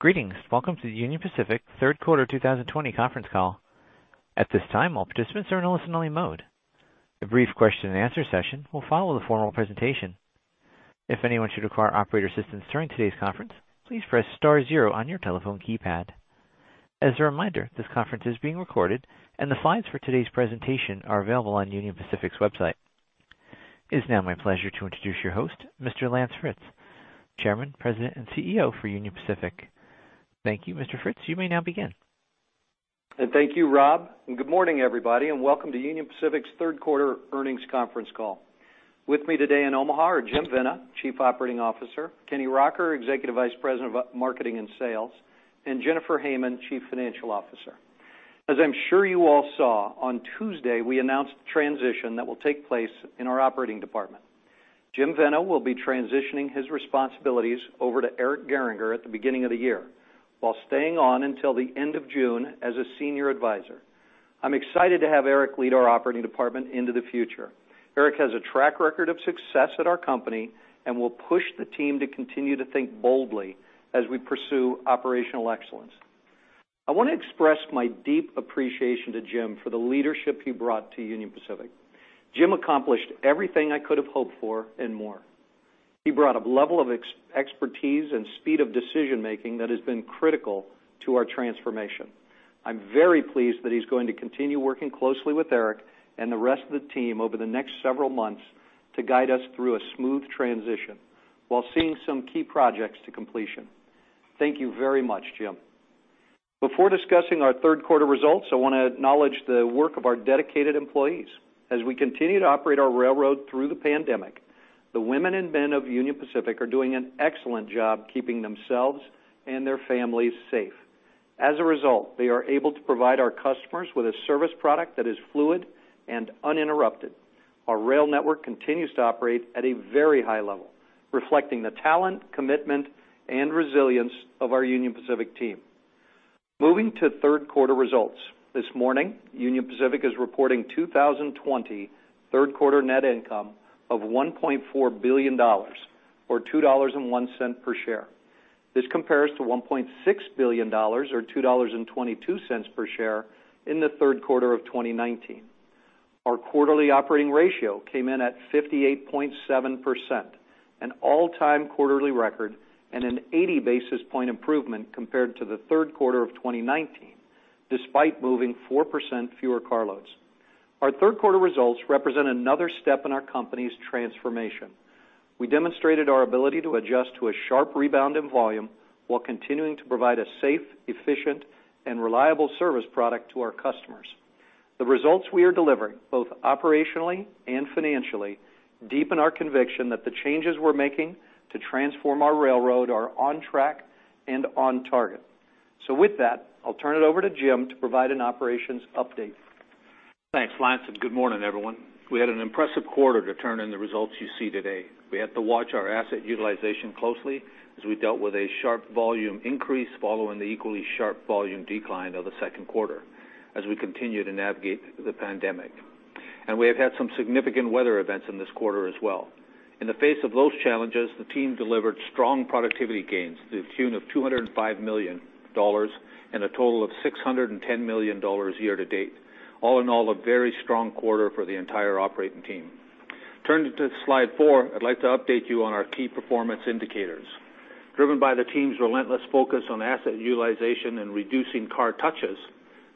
Greetings. Welcome to the Union Pacific third quarter 2020 conference call. It's now my pleasure to introduce your host, Mr. Lance Fritz, Chairman, President, and CEO for Union Pacific. Thank you, Mr. Fritz. You may now begin. Thank you, Rob, good morning, everybody, and welcome to Union Pacific's third quarter earnings conference call. With me today in Omaha are Jim Vena, Chief Operating Officer, Kenny Rocker, Executive Vice President of Marketing and Sales, and Jennifer Hamann, Chief Financial Officer. As I'm sure you all saw, on Tuesday, we announced the transition that will take place in our operating department. Jim Vena will be transitioning his responsibilities over to Eric Gehringer at the beginning of the year, while staying on until the end of June as a Senior Advisor. I'm excited to have Eric lead our operating department into the future. Eric has a track record of success at our company and will push the team to continue to think boldly as we pursue operational excellence. I want to express my deep appreciation to Jim for the leadership he brought to Union Pacific. Jim accomplished everything I could have hoped for and more. He brought a level of expertise and speed of decision-making that has been critical to our transformation. I'm very pleased that he's going to continue working closely with Eric and the rest of the team over the next several months to guide us through a smooth transition while seeing some key projects to completion. Thank you very much, Jim. Before discussing our third quarter results, I want to acknowledge the work of our dedicated employees. As we continue to operate our railroad through the pandemic, the women and men of Union Pacific are doing an excellent job keeping themselves and their families safe. As a result, they are able to provide our customers with a service product that is fluid and uninterrupted. Our rail network continues to operate at a very high level, reflecting the talent, commitment, and resilience of our Union Pacific team. Moving to third quarter results. This morning, Union Pacific is reporting 2020 third quarter net income of $1.4 billion, or $2.01 per share. This compares to $1.6 billion or $2.22 per share in the third quarter of 2019. Our quarterly operating ratio came in at 58.7%, an all-time quarterly record and an 80 basis point improvement compared to the third quarter of 2019, despite moving 4% fewer car loads. Our third quarter results represent another step in our company's transformation. We demonstrated our ability to adjust to a sharp rebound in volume while continuing to provide a safe, efficient, and reliable service product to our customers. The results we are delivering, both operationally and financially, deepen our conviction that the changes we're making to transform our railroad are on track and on target. With that, I'll turn it over to Jim to provide an operations update. Thanks, Lance, and good morning, everyone. We had an impressive quarter to turn in the results you see today. We had to watch our asset utilization closely as we dealt with a sharp volume increase following the equally sharp volume decline of the second quarter as we continue to navigate the pandemic. We have had some significant weather events in this quarter as well. In the face of those challenges, the team delivered strong productivity gains to the tune of $205 million and a total of $610 million year to date. All in all, a very strong quarter for the entire operating team. Turning to slide four, I'd like to update you on our key performance indicators. Driven by the team's relentless focus on asset utilization and reducing car touches,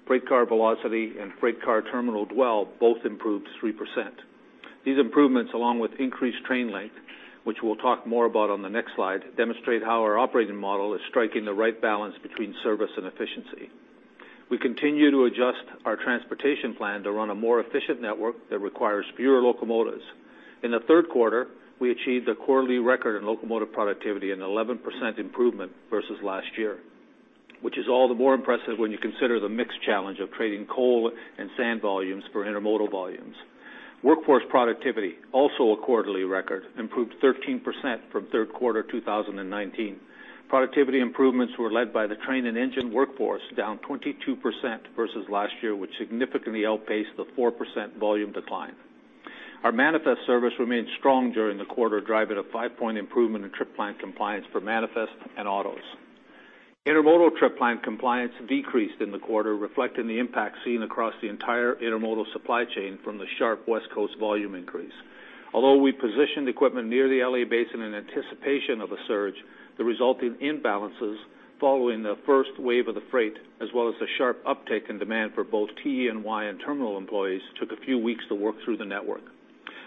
freight car velocity and freight car terminal dwell both improved 3%. These improvements, along with increased train length, which we'll talk more about on the next slide, demonstrate how our operating model is striking the right balance between service and efficiency. We continue to adjust our transportation plan to run a more efficient network that requires fewer locomotives. In the third quarter, we achieved a quarterly record in locomotive productivity, an 11% improvement versus last year, which is all the more impressive when you consider the mixed challenge of trading coal and sand volumes for intermodal volumes. Workforce productivity, also a quarterly record, improved 13% from third quarter 2019. Productivity improvements were led by the train and engine workforce, down 22% versus last year, which significantly outpaced the 4% volume decline. Our manifest service remained strong during the quarter, driving a five-point improvement in trip plan compliance for manifest and autos. Intermodal trip plan compliance decreased in the quarter, reflecting the impact seen across the entire intermodal supply chain from the sharp West Coast volume increase. Although we positioned equipment near the L.A. Basin in anticipation of a surge, the resulting imbalances following the first wave of the freight, as well as the sharp uptick in demand for both TE&Y and terminal employees took a few weeks to work through the network.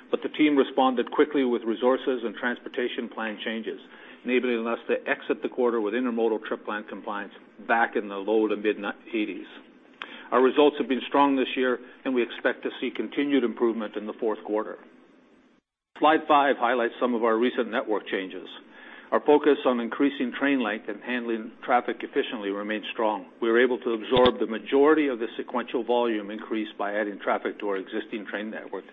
The team responded quickly with resources and transportation plan changes, enabling us to exit the quarter with intermodal trip plan compliance back in the low to mid-80s. Our results have been strong this year, We expect to see continued improvement in the fourth quarter. Slide five highlights some of our recent network changes. Our focus on increasing train length and handling traffic efficiently remains strong. We were able to absorb the majority of the sequential volume increase by adding traffic to our existing train network.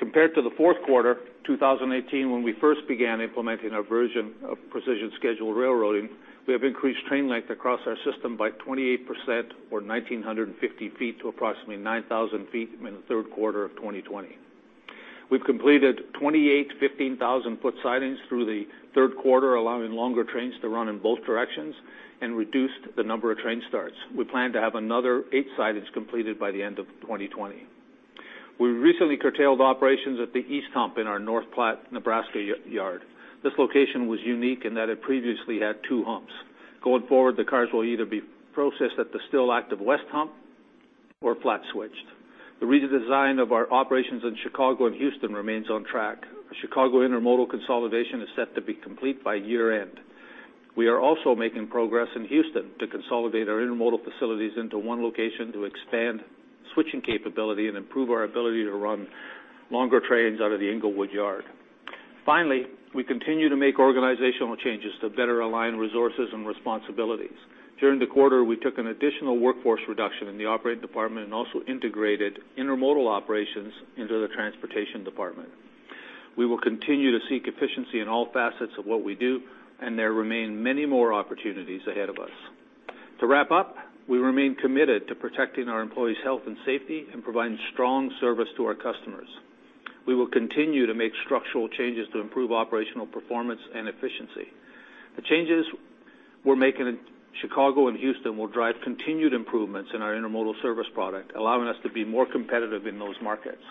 Compared to the fourth quarter 2018, when we first began implementing our version of Precision Scheduled Railroading, we have increased train length across our system by 28%, or 1,950 feet to approximately 9,000 feet in the third quarter of 2020. We've completed 28 15,000-foot sidings through the third quarter, allowing longer trains to run in both directions and reduced the number of train starts. We plan to have another eight sidings completed by the end of 2020. We recently curtailed operations at the East hump in our North Platte, Nebraska yard. This location was unique in that it previously had two humps. Going forward, the cars will either be processed at the still active west hump or flat switched. The redesign of our operations in Chicago and Houston remains on track. The Chicago intermodal consolidation is set to be complete by year-end. We are also making progress in Houston to consolidate our intermodal facilities into one location to expand switching capability and improve our ability to run longer trains out of the Englewood yard. Finally, we continue to make organizational changes to better align resources and responsibilities. During the quarter, we took an additional workforce reduction in the operating department and also integrated intermodal operations into the transportation department. We will continue to seek efficiency in all facets of what we do, and there remain many more opportunities ahead of us. To wrap up, we remain committed to protecting our employees' health and safety and providing strong service to our customers. We will continue to make structural changes to improve operational performance and efficiency. The changes we're making in Chicago and Houston will drive continued improvements in our intermodal service product, allowing us to be more competitive in those markets.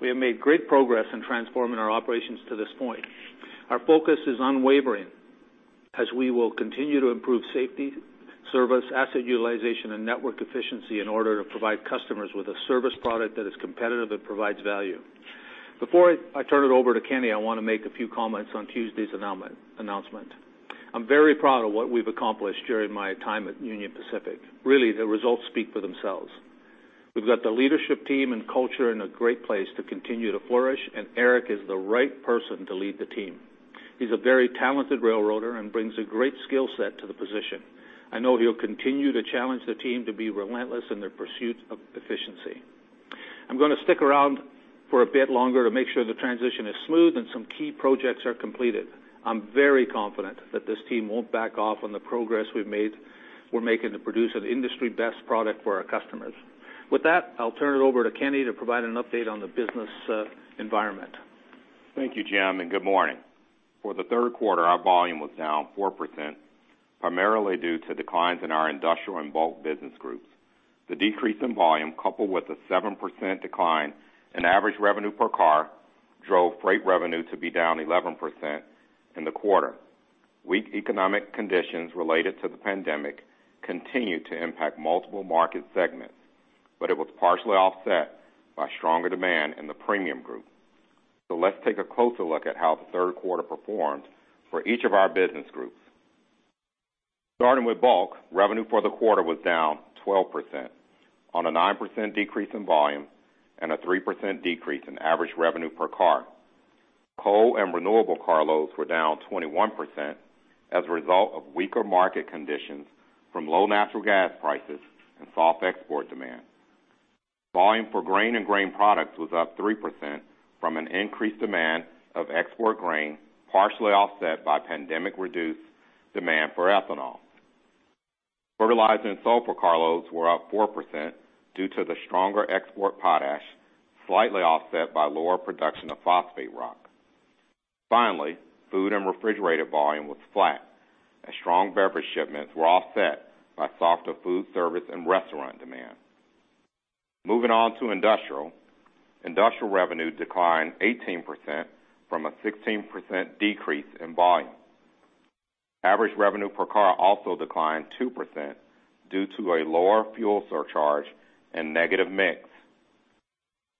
We have made great progress in transforming our operations to this point. Our focus is unwavering as we will continue to improve safety, service, asset utilization, and network efficiency in order to provide customers with a service product that is competitive, that provides value. Before I turn it over to Kenny, I want to make a few comments on Tuesday's announcement. I'm very proud of what we've accomplished during my time at Union Pacific. Really, the results speak for themselves. We've got the leadership team and culture in a great place to continue to flourish, and Eric is the right person to lead the team. He's a very talented railroader and brings a great skill set to the position. I know he'll continue to challenge the team to be relentless in their pursuit of efficiency. I'm going to stick around for a bit longer to make sure the transition is smooth and some key projects are completed. I'm very confident that this team won't back off on the progress we're making to produce an industry best product for our customers. With that, I'll turn it over to Kenny to provide an update on the business environment. Thank you, Jim, and good morning. For the third quarter, our volume was down 4%, primarily due to declines in our industrial and bulk business groups. The decrease in volume, coupled with a 7% decline in average revenue per car, drove freight revenue to be down 11% in the quarter. Weak economic conditions related to the pandemic continued to impact multiple market segments, but it was partially offset by stronger demand in the premium group. Let's take a closer look at how the third quarter performed for each of our business groups. Starting with bulk, revenue for the quarter was down 12% on a 9% decrease in volume and a 3% decrease in average revenue per car. Coal and renewable car loads were down 21% as a result of weaker market conditions from low natural gas prices and soft export demand. Volume for grain and grain products was up 3% from an increased demand of export grain, partially offset by pandemic-reduced demand for ethanol. Fertilizer and sulfur car loads were up 4% due to the stronger export potash, slightly offset by lower production of phosphate rock. Food and refrigerated volume was flat as strong beverage shipments were offset by softer food service and restaurant demand. Moving on to industrial. Industrial revenue declined 18% from a 16% decrease in volume. Average revenue per car also declined 2% due to a lower fuel surcharge and negative mix.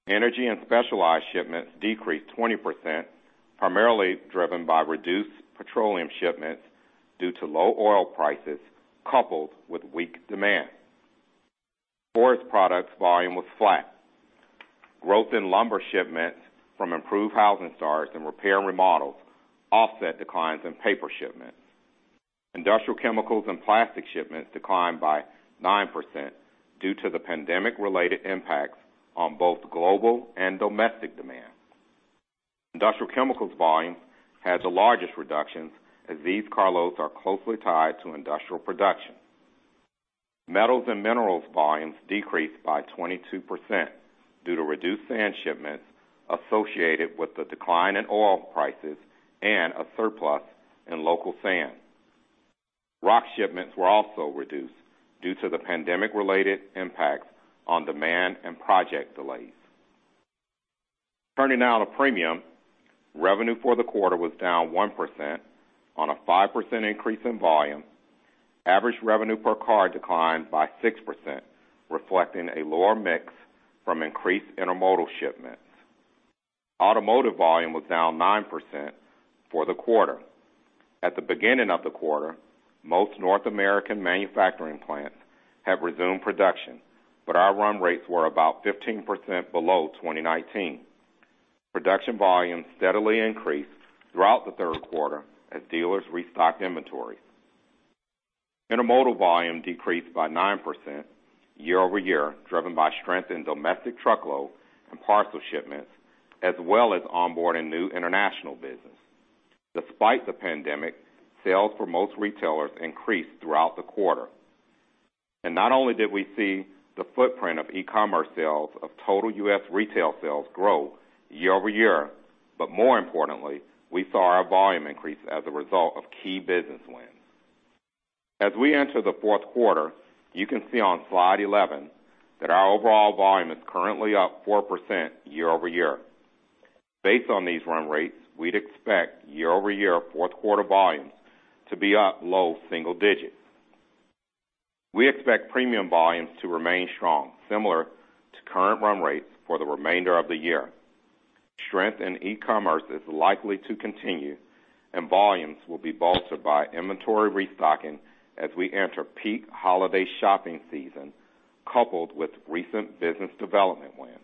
Energy and specialized shipments decreased 20%, primarily driven by reduced petroleum shipments due to low oil prices coupled with weak demand. Forest products volume was flat. Growth in lumber shipments from improved housing starts and repair and remodels offset declines in paper shipments. Industrial chemicals and plastics shipments declined by 9% due to the pandemic-related impacts on both global and domestic demand. Industrial chemicals volume had the largest reductions as these car loads are closely tied to industrial production. Metals and minerals volumes decreased by 22% due to reduced sand shipments associated with the decline in oil prices and a surplus in local sand. Rock shipments were also reduced due to the pandemic-related impacts on demand and project delays. Turning now to premium. Revenue for the quarter was down 1% on a 5% increase in volume. Average revenue per car declined by 6%, reflecting a lower mix from increased intermodal shipments. Automotive volume was down 9% for the quarter. At the beginning of the quarter, most North American manufacturing plants have resumed production, but our run rates were about 15% below 2019. Production volume steadily increased throughout the third quarter as dealers restocked inventory. Intermodal volume decreased by 9% year-over-year, driven by strength in domestic truckload and parcel shipments, as well as onboarding new international business. Despite the pandemic, sales for most retailers increased throughout the quarter. Not only did we see the footprint of e-commerce sales of total U.S. retail sales grow year-over-year, but more importantly, we saw our volume increase as a result of key business wins. As we enter the fourth quarter, you can see on slide 11 that our overall volume is currently up 4% year-over-year. Based on these run rates, we'd expect year-over-year fourth quarter volumes to be up low single digits. We expect premium volumes to remain strong, similar to current run rates for the remainder of the year. Strength in e-commerce is likely to continue, and volumes will be bolstered by inventory restocking as we enter peak holiday shopping season, coupled with recent business development wins.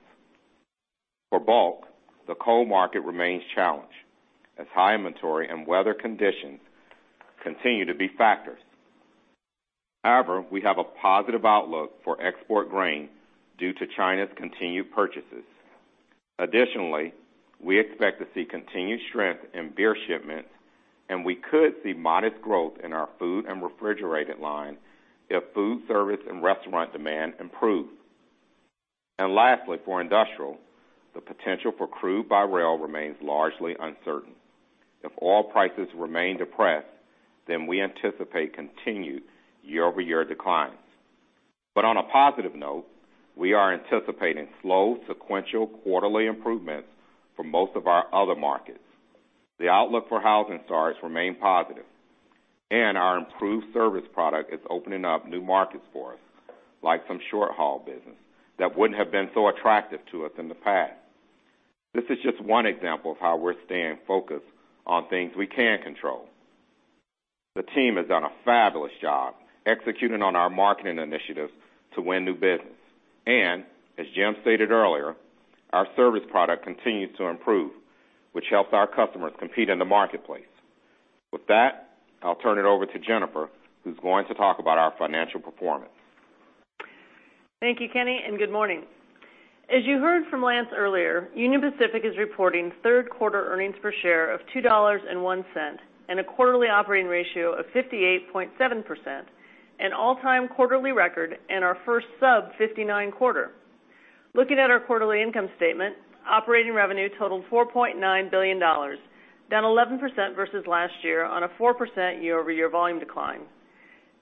For bulk, the coal market remains challenged as high inventory and weather conditions continue to be factors. However, we have a positive outlook for export grain due to China's continued purchases. Additionally, we expect to see continued strength in beer shipments, and we could see modest growth in our food and refrigerated line if food service and restaurant demand improve. Lastly, for industrial, the potential for crude by rail remains largely uncertain. If oil prices remain depressed, then we anticipate continued year-over-year declines. On a positive note, we are anticipating slow sequential quarterly improvements for most of our other markets. The outlook for housing starts remain positive, and our improved service product is opening up new markets for us, like some short-haul business that wouldn't have been so attractive to us in the past. This is just one example of how we're staying focused on things we can control. The team has done a fabulous job executing on our marketing initiatives to win new business. As Jim stated earlier, our service product continues to improve, which helps our customers compete in the marketplace. With that, I'll turn it over to Jennifer, who's going to talk about our financial performance. Thank you, Kenny, and good morning. As you heard from Lance earlier, Union Pacific is reporting third quarter earnings per share of $2.01 and a quarterly operating ratio of 58.7%, an all-time quarterly record and our first sub-59 quarter. Looking at our quarterly income statement, operating revenue totaled $4.9 billion, down 11% versus last year on a 4% year-over-year volume decline.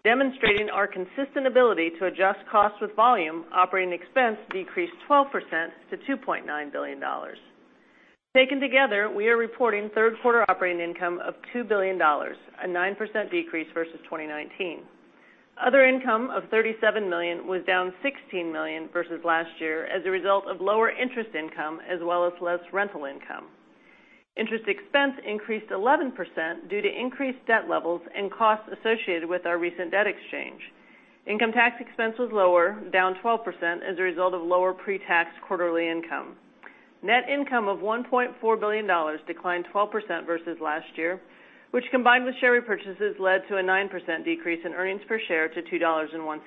Demonstrating our consistent ability to adjust cost with volume, operating expense decreased 12% to $2.9 billion. Taken together, we are reporting third quarter operating income of $2 billion, a 9% decrease versus 2019. Other income of $37 million was down $16 million versus last year as a result of lower interest income as well as less rental income. Interest expense increased 11% due to increased debt levels and costs associated with our recent debt exchange. Income tax expense was lower, down 12%, as a result of lower pre-tax quarterly income. Net income of $1.4 billion declined 12% versus last year, which combined with share repurchases, led to a 9% decrease in earnings per share to $2.01.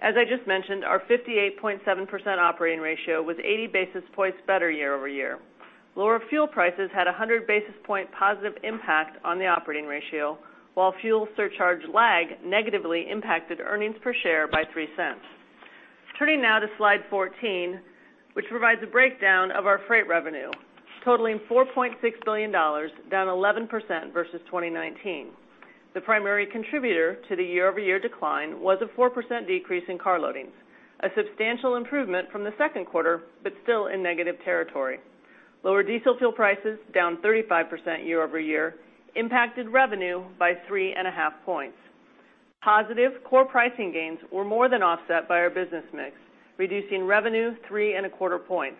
As I just mentioned, our 58.7% operating ratio was 80 basis points better year-over-year. Lower fuel prices had 100 basis point positive impact on the operating ratio, while fuel surcharge lag negatively impacted earnings per share by $0.03. Turning now to slide 14, which provides a breakdown of our freight revenue, totaling $4.6 billion, down 11% versus 2019. The primary contributor to the year-over-year decline was a 4% decrease in car loadings, a substantial improvement from the second quarter, but still in negative territory. Lower diesel fuel prices, down 35% year-over-year, impacted revenue by three and a half points. Positive core pricing gains were more than offset by our business mix, reducing revenue three and a quarter points.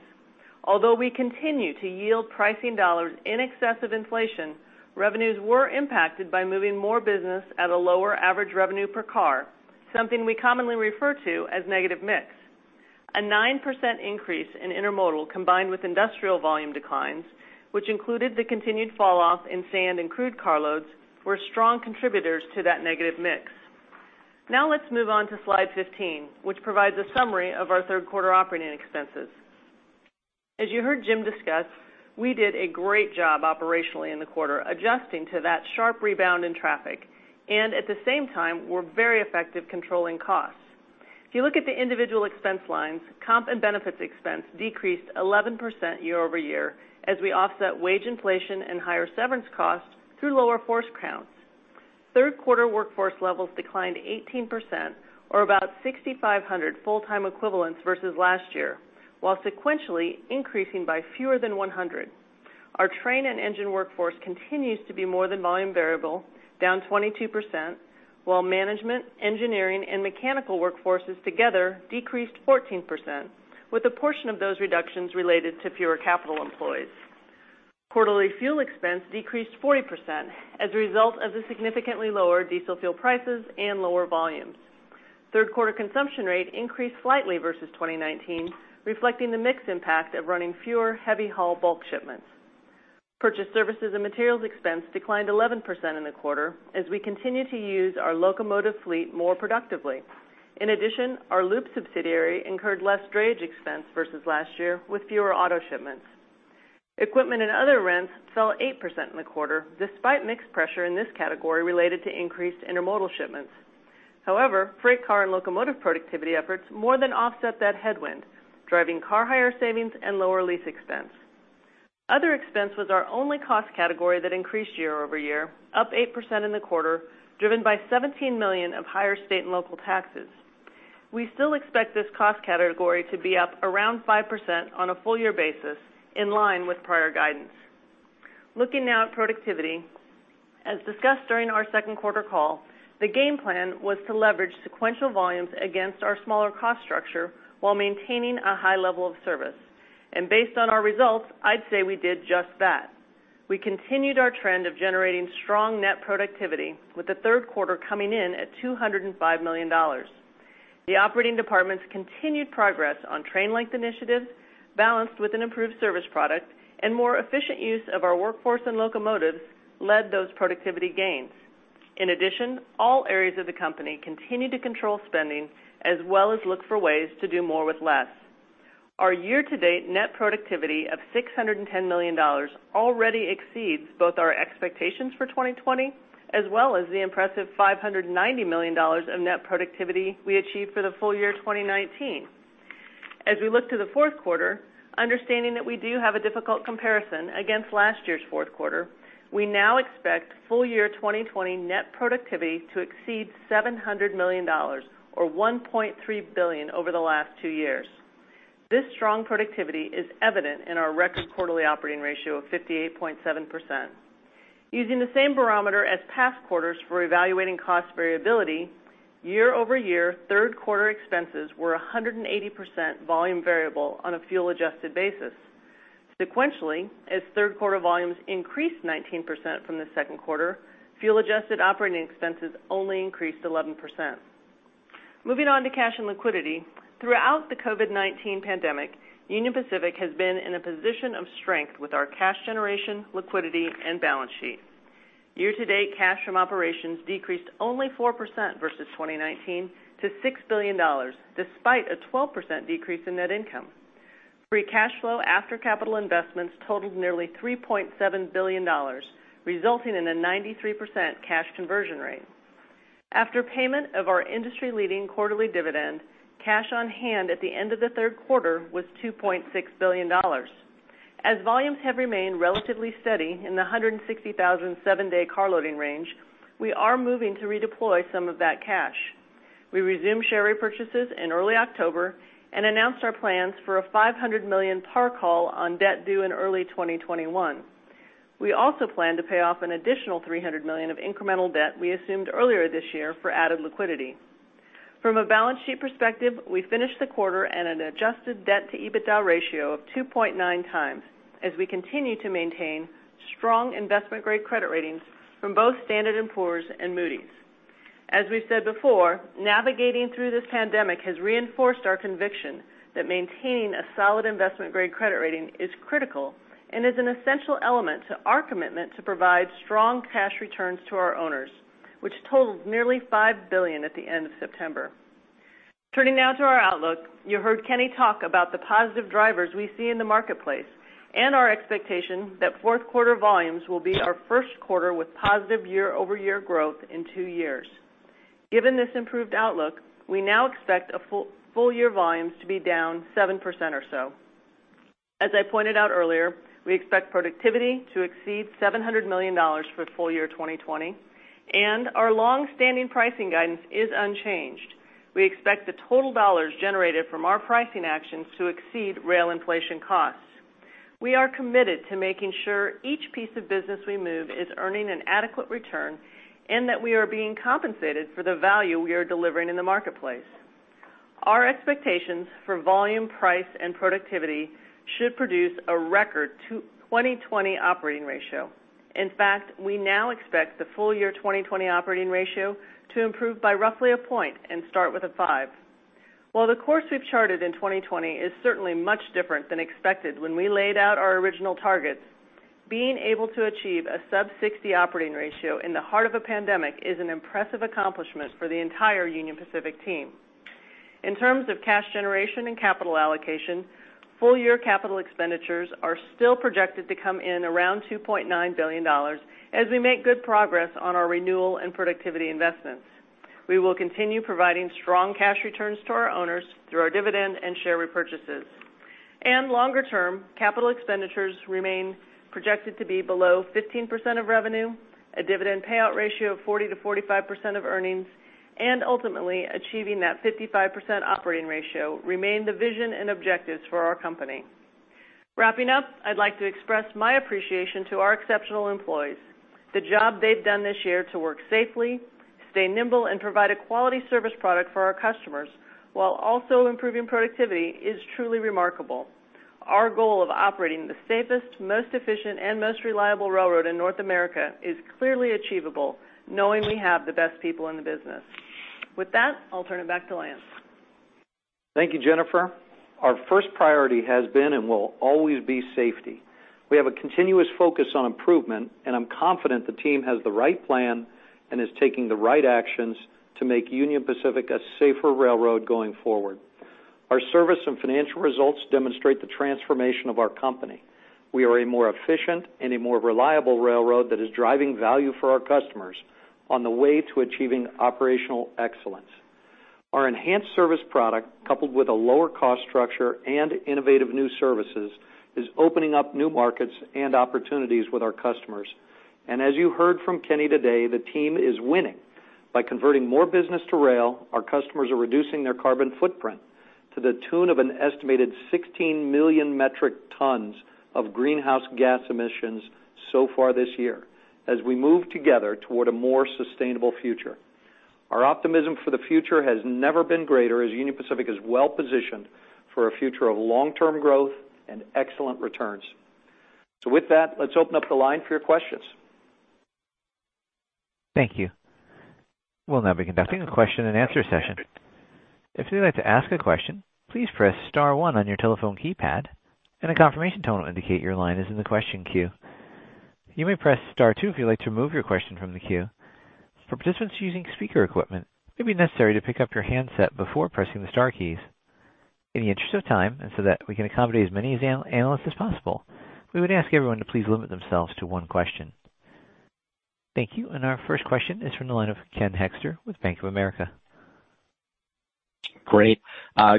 Although we continue to yield pricing dollars in excess of inflation, revenues were impacted by moving more business at a lower average revenue per car, something we commonly refer to as negative mix. A 9% increase in intermodal combined with industrial volume declines, which included the continued fall off in sand and crude carloads, were strong contributors to that negative mix. Now let's move on to slide 15, which provides a summary of our third quarter operating expenses. As you heard Jim discuss, we did a great job operationally in the quarter adjusting to that sharp rebound in traffic, and at the same time, were very effective controlling costs. If you look at the individual expense lines, comp and benefits expense decreased 11% year-over-year as we offset wage inflation and higher severance costs through lower force counts. Third quarter workforce levels declined 18%, or about 6,500 full-time equivalents versus last year, while sequentially increasing by fewer than 100. Our train and engine workforce continues to be more than volume variable, down 22%, while management, engineering, and mechanical workforces together decreased 14%, with a portion of those reductions related to fewer capital employees. Quarterly fuel expense decreased 40% as a result of the significantly lower diesel fuel prices and lower volumes. Third quarter consumption rate increased slightly versus 2019, reflecting the mix impact of running fewer heavy-haul bulk shipments. Purchased services and materials expense declined 11% in the quarter as we continue to use our locomotive fleet more productively. In addition, our Loup subsidiary incurred less drayage expense versus last year with fewer auto shipments. Equipment and other rents fell 8% in the quarter, despite mixed pressure in this category related to increased intermodal shipments. Freight car and locomotive productivity efforts more than offset that headwind, driving car hire savings and lower lease expense. Other expense was our only cost category that increased year-over-year, up 8% in the quarter, driven by $17 million of higher state and local taxes. We still expect this cost category to be up around 5% on a full-year basis, in line with prior guidance. Looking now at productivity, as discussed during our second quarter call, the game plan was to leverage sequential volumes against our smaller cost structure while maintaining a high level of service. Based on our results, I'd say we did just that. We continued our trend of generating strong net productivity with the third quarter coming in at $205 million. The operating departments' continued progress on train length initiatives, balanced with an improved service product and more efficient use of our workforce and locomotives, led those productivity gains. In addition, all areas of the company continued to control spending as well as look for ways to do more with less. Our year-to-date net productivity of $610 million already exceeds both our expectations for 2020, as well as the impressive $590 million of net productivity we achieved for the full year 2019. As we look to the fourth quarter, understanding that we do have a difficult comparison against last year's fourth quarter, we now expect full-year 2020 net productivity to exceed $700 million, or $1.3 billion over the last two years. This strong productivity is evident in our record quarterly operating ratio of 58.7%. Using the same barometer as past quarters for evaluating cost variability, year-over-year third quarter expenses were 180% volume variable on a fuel adjusted basis. Sequentially, as third quarter volumes increased 19% from the second quarter, fuel adjusted operating expenses only increased 11%. Moving on to cash and liquidity. Throughout the COVID-19 pandemic, Union Pacific has been in a position of strength with our cash generation, liquidity, and balance sheet. Year-to-date, cash from operations decreased only 4% versus 2019 to $6 billion, despite a 12% decrease in net income. Free cash flow after capital investments totaled nearly $3.7 billion, resulting in a 93% cash conversion rate. After payment of our industry-leading quarterly dividend, cash on hand at the end of the third quarter was $2.6 billion. As volumes have remained relatively steady in the 160,000 seven-day car loading range, we are moving to redeploy some of that cash. We resumed share repurchases in early October and announced our plans for a $500 million par call on debt due in early 2021. We also plan to pay off an additional $300 million of incremental debt we assumed earlier this year for added liquidity. From a balance sheet perspective, we finished the quarter at an adjusted debt to EBITDA ratio of 2.9x, as we continue to maintain strong investment-grade credit ratings from both Standard & Poor's and Moody's. As we've said before, navigating through this pandemic has reinforced our conviction that maintaining a solid investment-grade credit rating is critical and is an essential element to our commitment to provide strong cash returns to our owners, which totaled nearly $5 billion at the end of September. Turning now to our outlook. You heard Kenny talk about the positive drivers we see in the marketplace, and our expectation that fourth quarter volumes will be our first quarter with positive year-over-year growth in two years. Given this improved outlook, we now expect full year volumes to be down 7% or so. As I pointed out earlier, we expect productivity to exceed $700 million for full year 2020, and our long-standing pricing guidance is unchanged. We expect the total dollars generated from our pricing actions to exceed rail inflation costs. We are committed to making sure each piece of business we move is earning an adequate return, and that we are being compensated for the value we are delivering in the marketplace. Our expectations for volume, price, and productivity should produce a record 2020 operating ratio. In fact, we now expect the full year 2020 operating ratio to improve by roughly a point and start with a five. While the course we've charted in 2020 is certainly much different than expected when we laid out our original targets, being able to achieve a sub-60 operating ratio in the heart of a pandemic is an impressive accomplishment for the entire Union Pacific team. In terms of cash generation and capital allocation, full-year capital expenditures are still projected to come in around $2.9 billion as we make good progress on our renewal and productivity investments. We will continue providing strong cash returns to our owners through our dividend and share repurchases. Longer term, capital expenditures remain projected to be below 15% of revenue, a dividend payout ratio of 40%-45% of earnings, and ultimately, achieving that 55% operating ratio remain the vision and objectives for our company. Wrapping up, I'd like to express my appreciation to our exceptional employees. The job they've done this year to work safely, stay nimble, and provide a quality service product for our customers while also improving productivity, is truly remarkable. Our goal of operating the safest, most efficient, and most reliable railroad in North America is clearly achievable, knowing we have the best people in the business. With that, I'll turn it back to Lance. Thank you, Jennifer. Our first priority has been and will always be safety. Continuous focus on improvement, and I'm confident the team has the right plan and is taking the right actions to make Union Pacific a safer railroad going forward. Our service and financial results demonstrate the transformation of our company. We are a more efficient and a more reliable railroad that is driving value for our customers on the way to achieving operational excellence. Our enhanced service product, coupled with a lower cost structure and innovative new services, is opening up new markets and opportunities with our customers. As you heard from Kenny today, the team is winning. By converting more business to rail, our customers are reducing their carbon footprint to the tune of an estimated 16 million metric tons of greenhouse gas emissions so far this year, as we move together toward a more sustainable future. Our optimism for the future has never been greater, as Union Pacific is well-positioned for a future of long-term growth and excellent returns. With that, let's open up the line for your questions. Thank you. We'll now be conducting a question-and answer session. In the interest of time, and so that we can accommodate as many analysts as possible, we would ask everyone to please limit themselves to one question. Thank you. Our first question is from the line of Ken Hoexter with Bank of America. Great.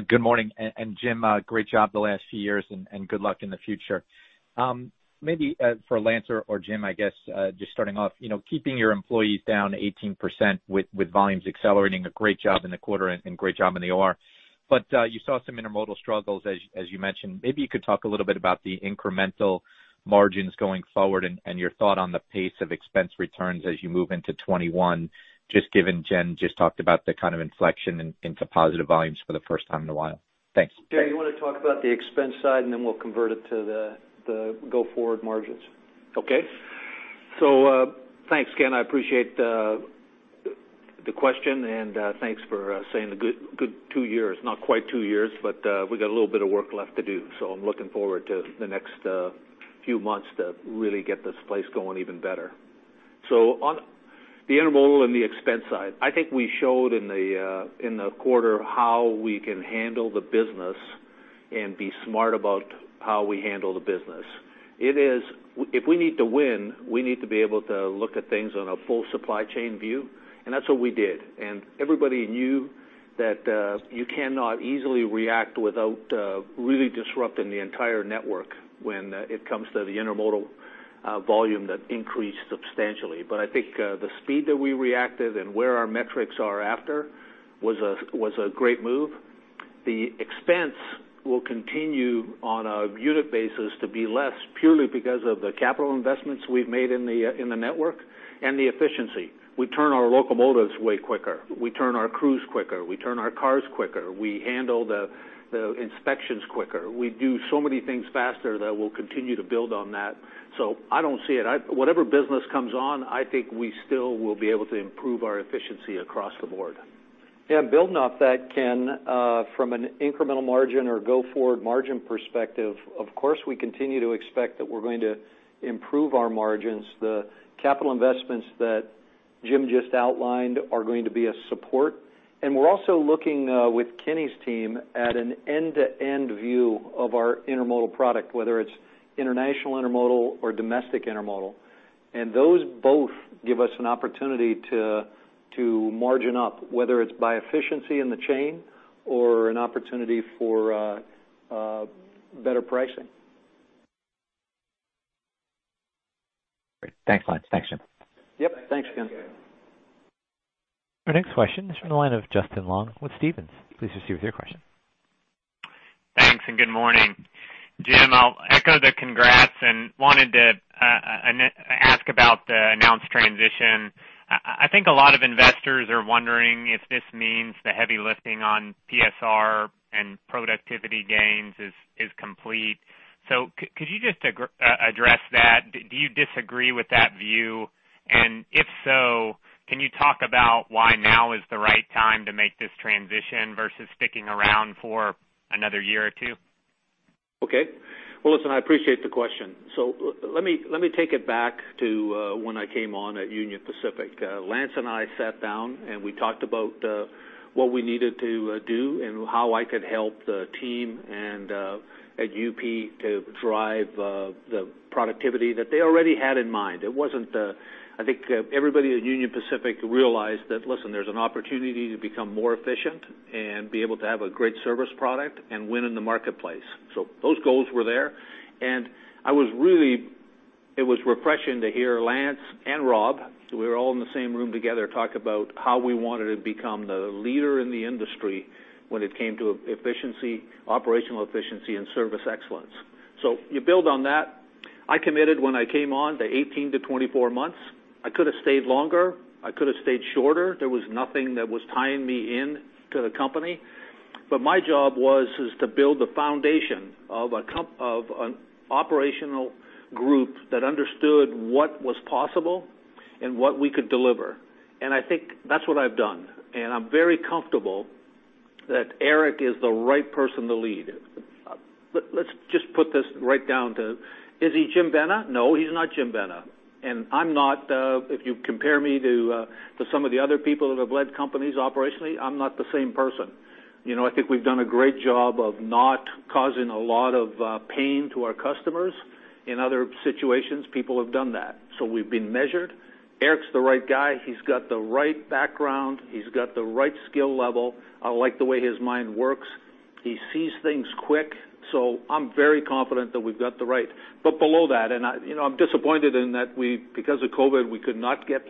Good morning. Jim, great job the last few years, and good luck in the future. Maybe for Lance or Jim, I guess, just starting off, keeping your employees down 18% with volumes accelerating, a great job in the quarter and great job in the OR. You saw some intermodal struggles, as you mentioned. Maybe you could talk a little bit about the incremental margins going forward and your thought on the pace of expense returns as you move into 2021, just given Jen just talked about the kind of inflection into positive volumes for the first time in a while. Thanks. Jim, do you want to talk about the expense side, and then we'll convert it to the go-forward margins? Thanks, Ken. I appreciate the question, and thanks for saying a good two years. Not quite two years, but we got a little bit of work left to do. I'm looking forward to the next few months to really get this place going even better. On the intermodal and the expense side, I think we showed in the quarter how we can handle the business and be smart about how we handle the business. If we need to win, we need to be able to look at things on a full supply chain view, and that's what we did. Everybody knew that you cannot easily react without really disrupting the entire network when it comes to the intermodal volume that increased substantially. I think the speed that we reacted and where our metrics are after was a great move. The expense will continue on a unit basis to be less purely because of the capital investments we've made in the network and the efficiency. We turn our locomotives way quicker. We turn our crews quicker. We turn our cars quicker. We handle the inspections quicker. We do so many things faster that we'll continue to build on that. I don't see it. Whatever business comes on, I think we still will be able to improve our efficiency across the board. Yeah, building off that, Ken, from an incremental margin or go-forward margin perspective, of course, we continue to expect that we're going to improve our margins. The capital investments that Jim just outlined are going to be a support. We're also looking with Kenny's team at an end-to-end view of our intermodal product, whether it's international intermodal or domestic intermodal. Those both give us an opportunity to margin up, whether it's by efficiency in the chain or an opportunity for better pricing. Great. Thanks a lot. Thanks, Jim. Yep. Thanks, Ken. Our next question is from the line of Justin Long with Stephens. Please proceed with your question. Thanks, and good morning. Jim, I'll echo the congrats and wanted to ask about the announced transition. I think a lot of investors are wondering if this means the heavy lifting on PSR and productivity gains is complete. Could you just address that? Do you disagree with that view? If so, can you talk about why now is the right time to make this transition versus sticking around for another year or two? Listen, I appreciate the question. Let me take it back to when I came on at Union Pacific. Lance and I sat down, and we talked about what we needed to do and how I could help the team and at UP to drive the productivity that they already had in mind. I think everybody at Union Pacific realized that, listen, there's an opportunity to become more efficient and be able to have a great service product and win in the marketplace. Those goals were there. It was refreshing to hear Lance and Rob, we were all in the same room together, talk about how we wanted to become the leader in the industry when it came to efficiency, operational efficiency, and service excellence. You build on that. I committed when I came on to 18 months-24 months. I could have stayed longer. I could have stayed shorter. There was nothing that was tying me in to the company. My job was to build the foundation of an operational group that understood what was possible and what we could deliver. I think that's what I've done. I'm very comfortable that Eric is the right person to lead. Let's just put this right down to, is he Jim Vena? No, he's not Jim Vena. If you compare me to some of the other people that have led companies operationally, I'm not the same person. I think we've done a great job of not causing a lot of pain to our customers. In other situations, people have done that. We've been measured. Eric's the right guy. He's got the right background. He's got the right skill level. I like the way his mind works. He sees things quick. I'm very confident that we've got the right. Below that, and I'm disappointed in that because of COVID, we could not get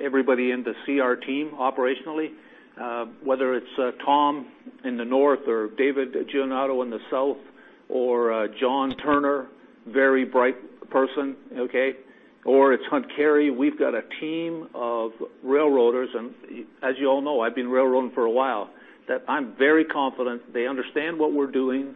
everybody in to see our team operationally, whether it's Tom in the north or David Giandinoto in the south or John Turner, very bright person, okay, or it's Hunsdon Cary. We've got a team of railroaders, and as you all know, I've been railroading for a while, that I'm very confident they understand what we're doing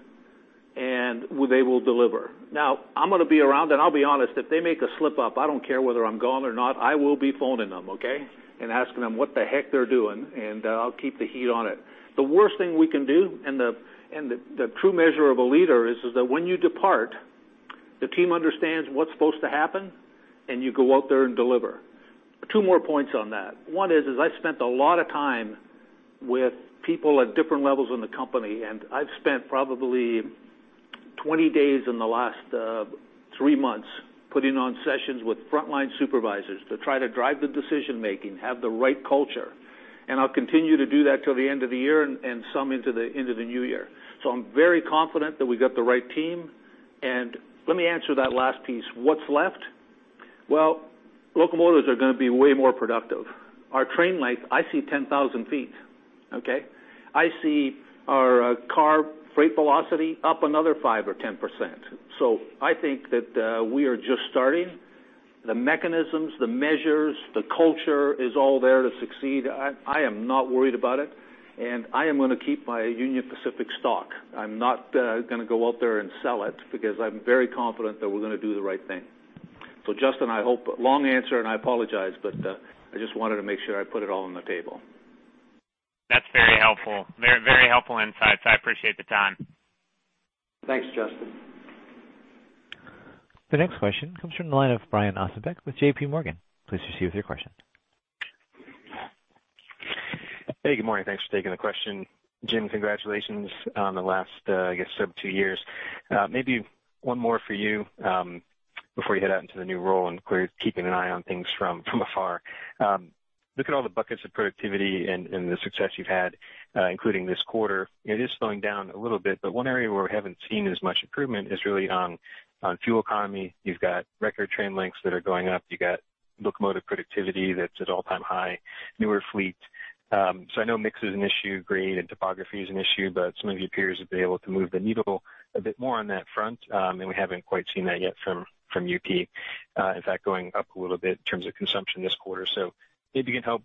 and they will deliver. I'm going to be around, and I'll be honest, if they make a slip up, I don't care whether I'm gone or not, I will be phoning them, okay? Asking them what the heck they're doing, and I'll keep the heat on it. The worst thing we can do, and the true measure of a leader is that when you depart, the team understands what's supposed to happen, and you go out there and deliver. Two more points on that. One is, I spent a lot of time with people at different levels in the company, and I've spent probably 20 days in the last three months putting on sessions with frontline supervisors to try to drive the decision-making, have the right culture, and I'll continue to do that till the end of the year and some into the end of the new year. I'm very confident that we've got the right team, and let me answer that last piece. What's left? Well, locomotives are going to be way more productive. Our train length, I see 10,000 feet, okay? I see our freight car velocity up another 5% or 10%. I think that we are just starting. The mechanisms, the measures, the culture is all there to succeed. I am not worried about it, and I am going to keep my Union Pacific stock. I'm not going to go out there and sell it because I'm very confident that we're going to do the right thing. Justin, long answer and I apologize, but I just wanted to make sure I put it all on the table. That's very helpful. Very helpful insights. I appreciate the time. Thanks, Justin. The next question comes from the line of Brian Ossenbeck with JPMorgan. Please proceed with your question. Hey, good morning. Thanks for taking the question. Jim, congratulations on the last, I guess, two years. Maybe one more for you before you head out into the new role and keeping an eye on things from afar. Looking at all the buckets of productivity and the success you've had including this quarter, it is slowing down a little bit, but one area where we haven't seen as much improvement is really on fuel economy. You've got record train lengths that are going up. You got locomotive productivity that's at all-time high, newer fleet. I know mix is an issue, grade and topography is an issue, but some of your peers have been able to move the needle a bit more on that front, and we haven't quite seen that yet from UP. In fact, going up a little bit in terms of consumption this quarter. Maybe you can help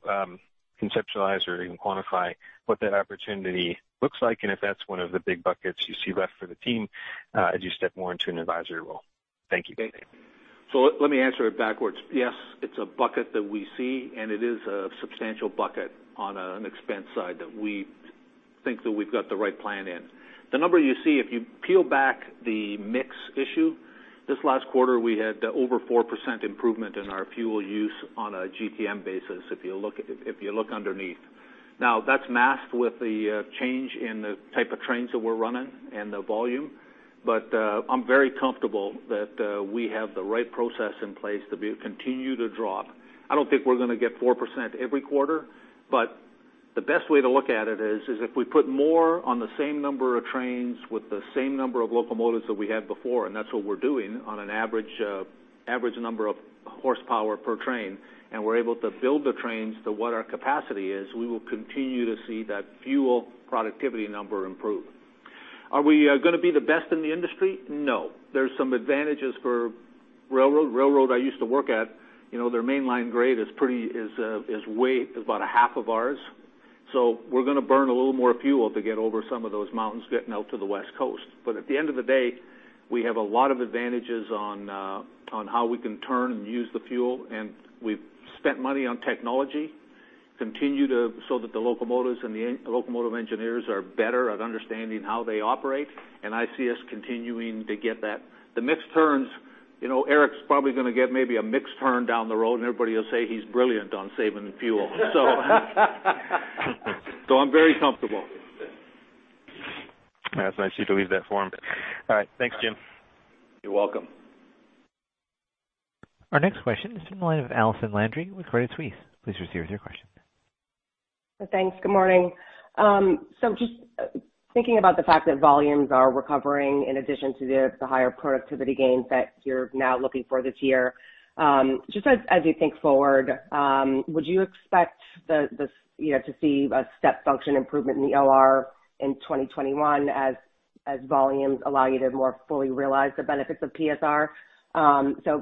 conceptualize or even quantify what that opportunity looks like, and if that's one of the big buckets you see left for the team as you step more into an advisory role. Thank you. Let me answer it backwards. Yes, it's a bucket that we see, and it is a substantial bucket on an expense side that we think that we've got the right plan in. The number you see, if you peel back the mix issue, this last quarter, we had over 4% improvement in our fuel use on a GTM basis, if you look underneath. That's masked with the change in the type of trains that we're running and the volume. I'm very comfortable that we have the right process in place to continue to drop. I don't think we're going to get 4% every quarter, but the best way to look at it is if we put more on the same number of trains with the same number of locomotives that we had before, and that's what we're doing on an average number of horsepower per train, and we're able to build the trains to what our capacity is, we will continue to see that fuel productivity number improve. Are we going to be the best in the industry? No. There's some advantages for railroad. Railroad I used to work at, their mainline grade is about a half of ours. We're going to burn a little more fuel to get over some of those mountains getting out to the West Coast. At the end of the day, we have a lot of advantages on how we can turn and use the fuel, and we've spent money on technology, so that the locomotives and the locomotive engineers are better at understanding how they operate, and I see us continuing to get that. Eric's probably going to get maybe a mixed turn down the road, and everybody will say he's brilliant on saving fuel. I'm very comfortable. That's nice of you to leave that for him. All right. Thanks, Jim. You're welcome. Our next question is from the line of Allison Landry with Credit Suisse. Please proceed with your question. Thanks. Good morning. Just thinking about the fact that volumes are recovering in addition to the higher productivity gains that you're now looking for this year, just as you think forward, would you expect to see a step function improvement in the OR in 2021 as volumes allow you to more fully realize the benefits of PSR?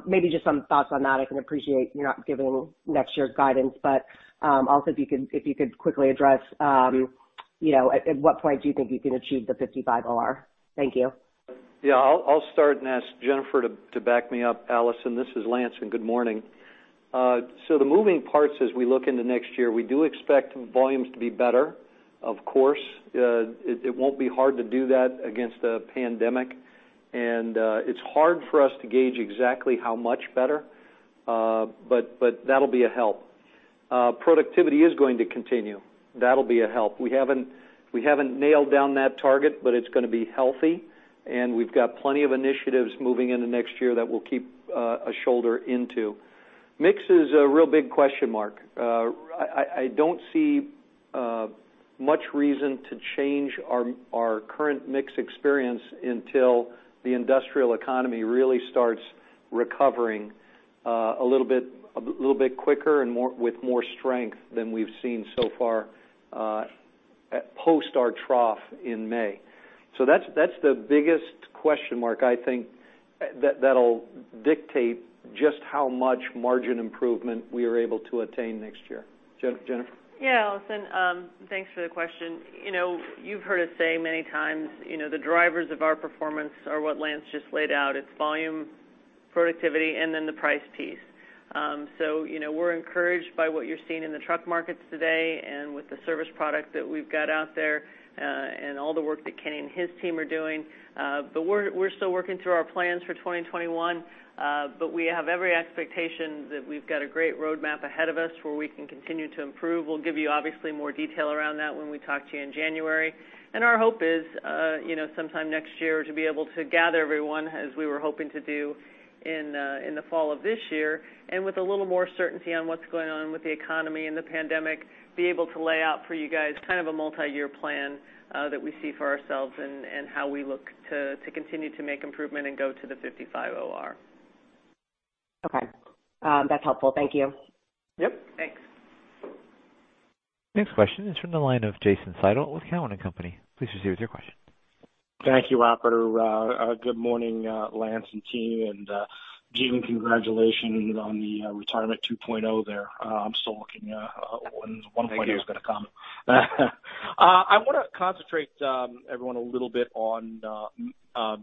Maybe just some thoughts on that. I can appreciate you're not giving next year guidance, but also if you could quickly address at what point do you think you can achieve the 55 OR? Thank you. Yeah, I'll start and ask Jennifer to back me up. Allison, this is Lance, and good morning. The moving parts as we look into next year, we do expect volumes to be better. Of course, it won't be hard to do that against a pandemic, and it's hard for us to gauge exactly how much better. That'll be a help. Productivity is going to continue. That'll be a help. We haven't nailed down that target, but it's going to be healthy, and we've got plenty of initiatives moving into next year that we'll keep a shoulder into. Mix is a real big question mark. I don't see much reason to change our current mix experience until the industrial economy really starts recovering a little bit quicker and with more strength than we've seen so far post our trough in May. That's the biggest question mark, I think, that'll dictate just how much margin improvement we are able to attain next year. Jennifer? Yeah, Allison, thanks for the question. You've heard us say many times, the drivers of our performance are what Lance just laid out. It's volume, productivity, and then the price piece. We're encouraged by what you're seeing in the truck markets today and with the service product that we've got out there, and all the work that Kenny and his team are doing. We're still working through our plans for 2021. We have every expectation that we've got a great roadmap ahead of us where we can continue to improve. We'll give you, obviously, more detail around that when we talk to you in January. Our hope is, sometime next year, to be able to gather everyone as we were hoping to do in the fall of this year. With a little more certainty on what's going on with the economy and the pandemic, be able to lay out for you guys a multiyear plan that we see for ourselves and how we look to continue to make improvement and go to the 55 OR. Okay. That's helpful. Thank you. Yep. Thanks. Next question is from the line of Jason Seidl with Cowen and Company. Please proceed with your question. Thank you, operator. Good morning, Lance and team. Jim, congratulations on the retirement 2.0 there. I'm still looking when 1.0 is going to come. I want to concentrate, everyone, a little on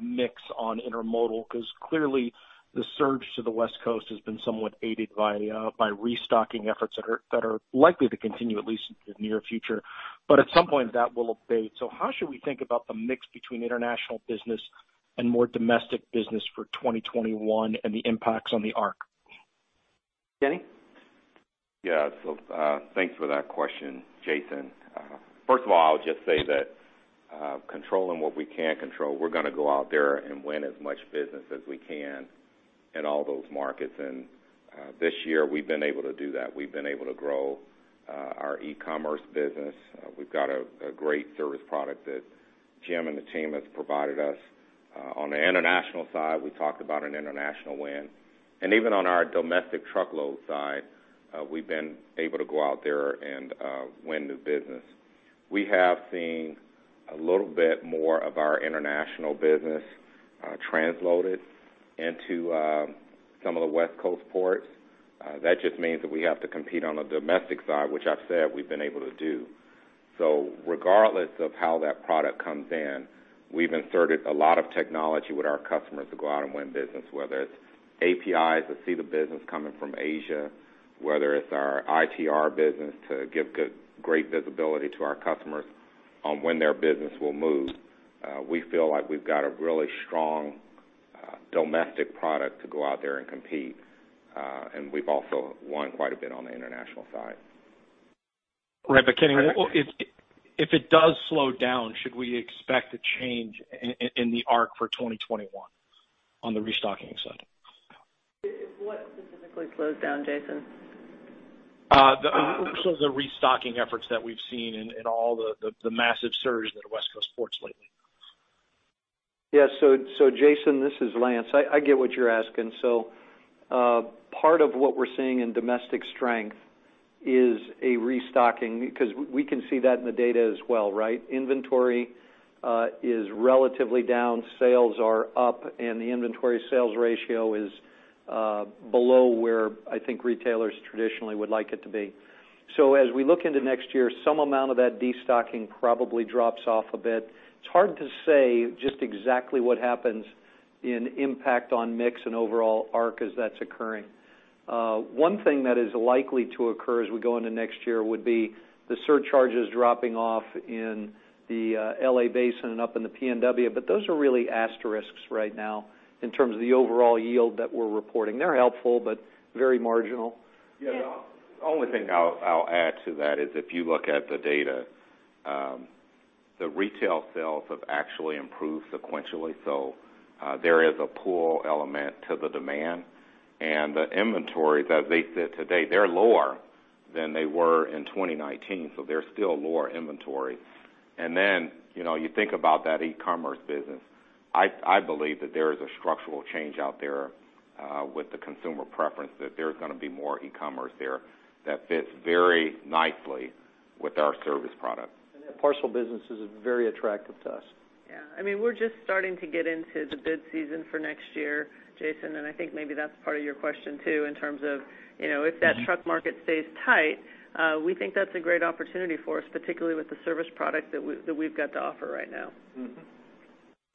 mix on intermodal, because clearly the surge to the West Coast has been somewhat aided by restocking efforts that are likely to continue, at least into the near future. At some point that will abate. How should we think about the mix between international business and more domestic business for 2021 and the impacts on the ARC? Kenny? Thanks for that question, Jason. First of all, I'll just say that, controlling what we can control, we're going to go out there and win as much business as we can in all those markets. This year, we've been able to do that. We've been able to grow our e-commerce business. We've got a great service product that Jim and the team have provided us. On the international side, we talked about an international win. Even on our domestic truckload side, we've been able to go out there and win new business. We have seen a little bit more of our international business transloaded into some of the West Coast ports. That just means that we have to compete on the domestic side, which I've said we've been able to do. Regardless of how that product comes in, we've inserted a lot of technology with our customers to go out and win business, whether it's APIs to see the business coming from Asia, whether it's our ITR business to give great visibility to our customers on when their business will move. We feel like we've got a really strong domestic product to go out there and compete. We've also won quite a bit on the international side. Right. Kenny, if it does slow down, should we expect a change in the ARC for 2021 on the restocking side? What specifically slows down, Jason? The restocking efforts that we've seen in all the massive surge at West Coast ports lately. Yeah. Jason, this is Lance. I get what you're asking. Part of what we're seeing in domestic strength is a restocking, because we can see that in the data as well, right? Inventory is relatively down, sales are up, and the inventory sales ratio is below where I think retailers traditionally would like it to be. As we look into next year, some amount of that destocking probably drops off a bit. It's hard to say just exactly what happens in impact on mix and overall ARC as that's occurring. One thing that is likely to occur as we go into next year would be the surcharges dropping off in the L.A. basin and up in the PNW. Those are really asterisks right now in terms of the overall yield that we're reporting. They're helpful, but very marginal. Yeah. The only thing I'll add to that is if you look at the data, the retail sales have actually improved sequentially. There is a pull element to the demand, and the inventory that they sit today, they're lower than they were in 2019, so they're still lower inventory. You think about that e-commerce business. I believe that there is a structural change out there with the consumer preference, that there's going to be more e-commerce there that fits very nicely with our service product. That parcel business is very attractive to us. Yeah. We're just starting to get into the bid season for next year, Jason. I think maybe that's part of your question, too, in terms of, if that truck market stays tight, we think that's a great opportunity for us, particularly with the service product that we've got to offer right now.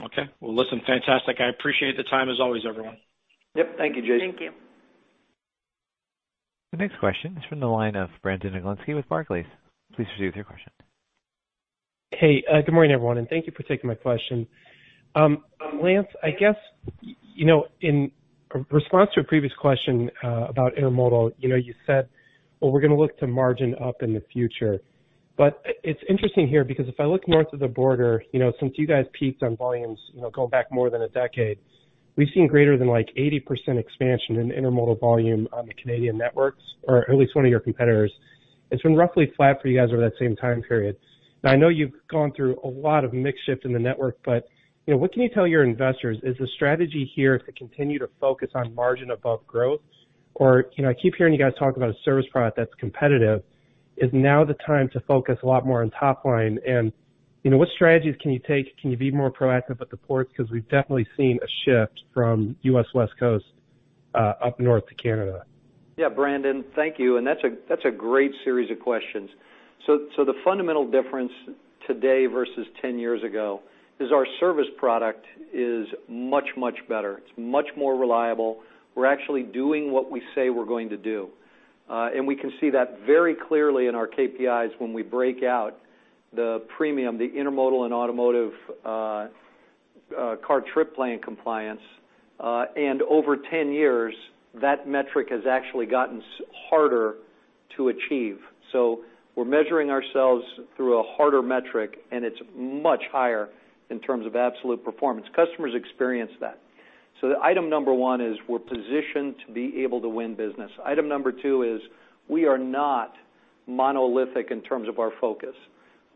Okay. Well, listen, fantastic. I appreciate the time, as always, everyone. Yep. Thank you, Jason. Thank you. The next question is from the line of Brandon Oglenski with Barclays. Please proceed with your question. Hey, good morning, everyone, and thank you for taking my question. Lance, I guess, in response to a previous question about intermodal, you said, "Well, we're going to look to margin up in the future." It's interesting here because if I look north of the border, since you guys peaked on volumes going back more than a decade, we've seen greater than 80% expansion in intermodal volume on the Canadian networks, or at least one of your competitors. It's been roughly flat for you guys over that same time period. Now, I know you've gone through a lot of mix shift in the network, but what can you tell your investors? Is the strategy here to continue to focus on margin above growth? I keep hearing you guys talk about a service product that's competitive. Is now the time to focus a lot more on top line? What strategies can you take? Can you be more proactive at the ports? Because we've definitely seen a shift from U.S. West Coast up north to Canada. Yeah, Brandon, thank you. That's a great series of questions. The fundamental difference today versus 10 years ago is our service product is much, much better. It's much more reliable. We're actually doing what we say we're going to do. We can see that very clearly in our KPIs when we break out the premium, the intermodal, and automotive car trip plan compliance. Over 10 years, that metric has actually gotten harder to achieve. We're measuring ourselves through a harder metric, and it's much higher in terms of absolute performance. Customers experience that. The item number one is we're positioned to be able to win business. Item number two is we are not monolithic in terms of our focus.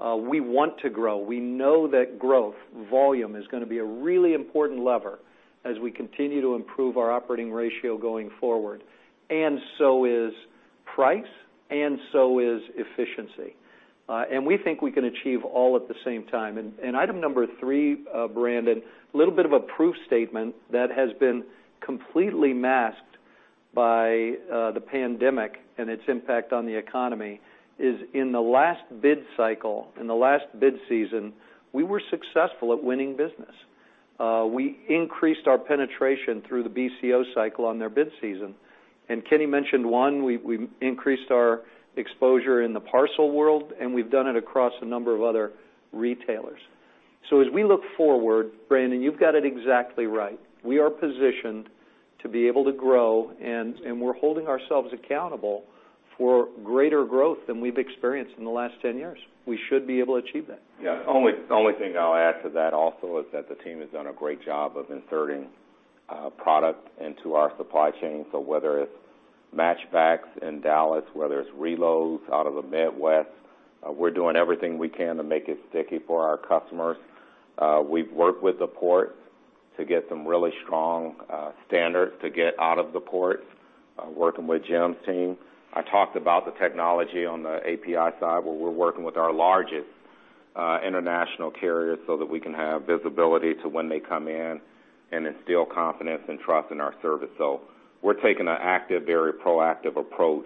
We want to grow. We know that growth volume is going to be a really important lever as we continue to improve our operating ratio going forward. So is price, and so is efficiency. We think we can achieve all at the same time. Item number three, Brandon, a little bit of a proof statement that has been completely masked by the pandemic and its impact on the economy is in the last bid cycle, in the last bid season, we were successful at winning business. We increased our penetration through the BCO cycle on their bid season. Kenny mentioned one, we increased our exposure in the parcel world, and we've done it across a number of other retailers. As we look forward, Brandon, you've got it exactly right. We are positioned to be able to grow, and we're holding ourselves accountable for greater growth than we've experienced in the last 10 years. We should be able to achieve that. Yeah. Only thing I'll add to that also is that the team has done a great job of inserting product into our supply chain. Whether it's match backs in Dallas, whether it's reloads out of the Midwest, we're doing everything we can to make it sticky for our customers. We've worked with the port to get some really strong standards to get out of the port, working with Jim's team. I talked about the technology on the API side, where we're working with our largest international carriers so that we can have visibility to when they come in and instill confidence and trust in our service. We're taking an active, very proactive approach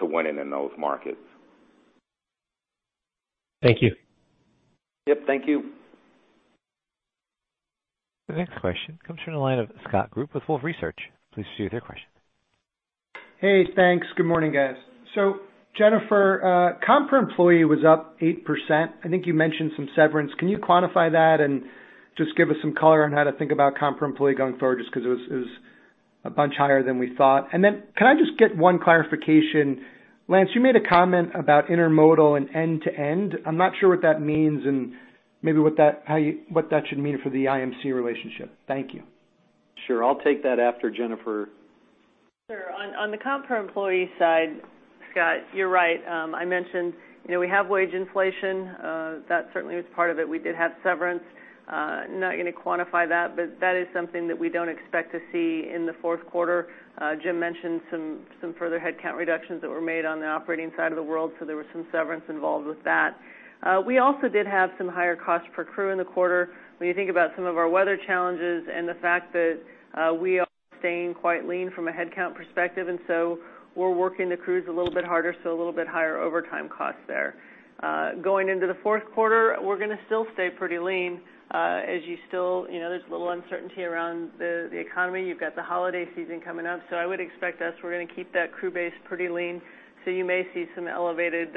to winning in those markets. Thank you. Yep, thank you. The next question comes from the line of Scott Group with Wolfe Research. Please proceed with your question. Hey, thanks. Good morning, guys. Jennifer, comp per employee was up 8%. I think you mentioned some severance. Can you quantify that and just give us some color on how to think about comp per employee going forward? Just because it was a bunch higher than we thought. Can I just get one clarification? Lance, you made a comment about intermodal and end-to-end. I'm not sure what that means and maybe what that should mean for the IMC relationship. Thank you. Sure. I'll take that after Jennifer. Sure. On the comp per employee side, Scott, you're right. I mentioned we have wage inflation. That certainly was part of it. We did have severance. Not going to quantify that, but that is something that we don't expect to see in the fourth quarter. Jim mentioned some further headcount reductions that were made on the operating side of the world, so there was some severance involved with that. We also did have some higher cost per crew in the quarter. When you think about some of our weather challenges and the fact that we are staying quite lean from a headcount perspective, and so we're working the crews a little bit harder, so a little bit higher overtime cost there. Going into the fourth quarter, we're going to still stay pretty lean. As you still, there's a little uncertainty around the economy. You've got the holiday season coming up. I would expect us, we're going to keep that crew base pretty lean. You may see some elevated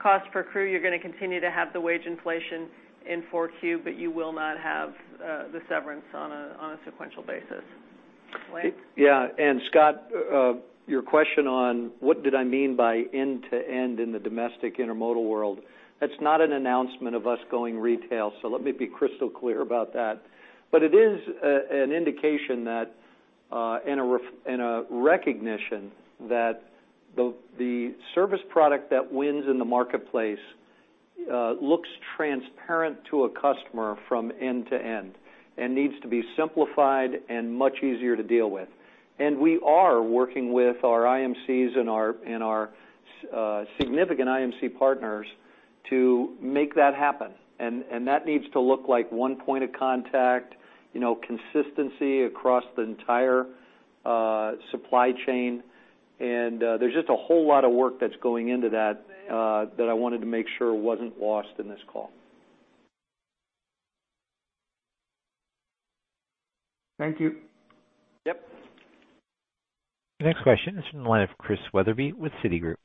cost per crew. You're going to continue to have the wage inflation in 4Q, but you will not have the severance on a sequential basis. Lance? Yeah. Scott, your question on what did I mean by end-to-end in the domestic intermodal world, that's not an announcement of us going retail. Let me be crystal clear about that. It is an indication that, and a recognition that the service product that wins in the marketplace looks transparent to a customer from end to end and needs to be simplified and much easier to deal with. We are working with our IMCs and our significant IMC partners to make that happen. That needs to look like one point of contact, consistency across the entire supply chain. There's just a whole lot of work that's going into that I wanted to make sure wasn't lost in this call. Thank you. Yep. The next question is from the line of Chris Wetherbee with Citigroup.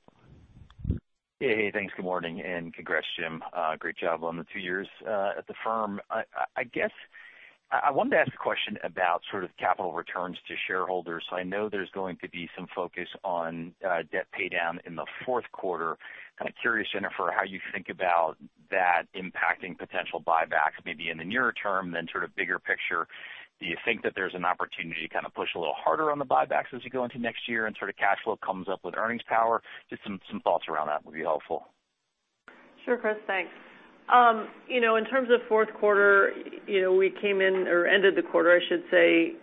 Hey. Thanks. Good morning and congrats, Jim. Great job on the two years at the firm. I know there's going to be some focus on debt pay down in the fourth quarter. Curious, Jennifer, how you think about that impacting potential buybacks maybe in the nearer term, then bigger picture. Do you think that there's an opportunity to push a little harder on the buybacks as you go into next year and sort of cash flow comes up with earnings power? Just some thoughts around that would be helpful. Sure, Chris, thanks. In terms of fourth quarter, we came in or ended the quarter, I should say,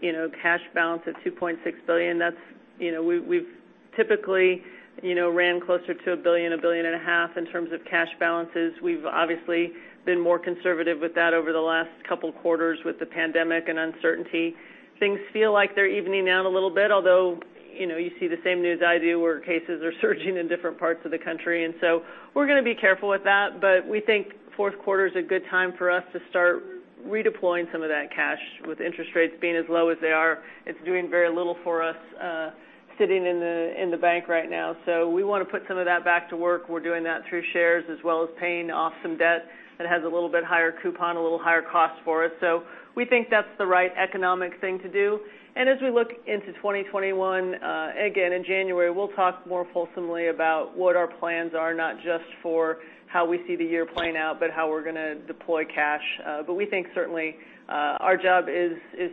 cash balance of $2.6 billion. We've typically ran closer to $1 billion, a billion and a half in terms of cash balances. We've obviously been more conservative with that over the last couple quarters with the pandemic and uncertainty. Things feel like they're evening out a little bit, although, you see the same news I do where cases are surging in different parts of the country. We're going to be careful with that. We think fourth quarter is a good time for us to start redeploying some of that cash with interest rates being as low as they are. It's doing very little for us sitting in the bank right now. We want to put some of that back to work. We're doing that through shares as well as paying off some debt that has a little bit higher coupon, a little higher cost for us. We think that's the right economic thing to do. As we look into 2021, again, in January, we'll talk more fulsomely about what our plans are, not just for how we see the year playing out, but how we're going to deploy cash. We think certainly, our job is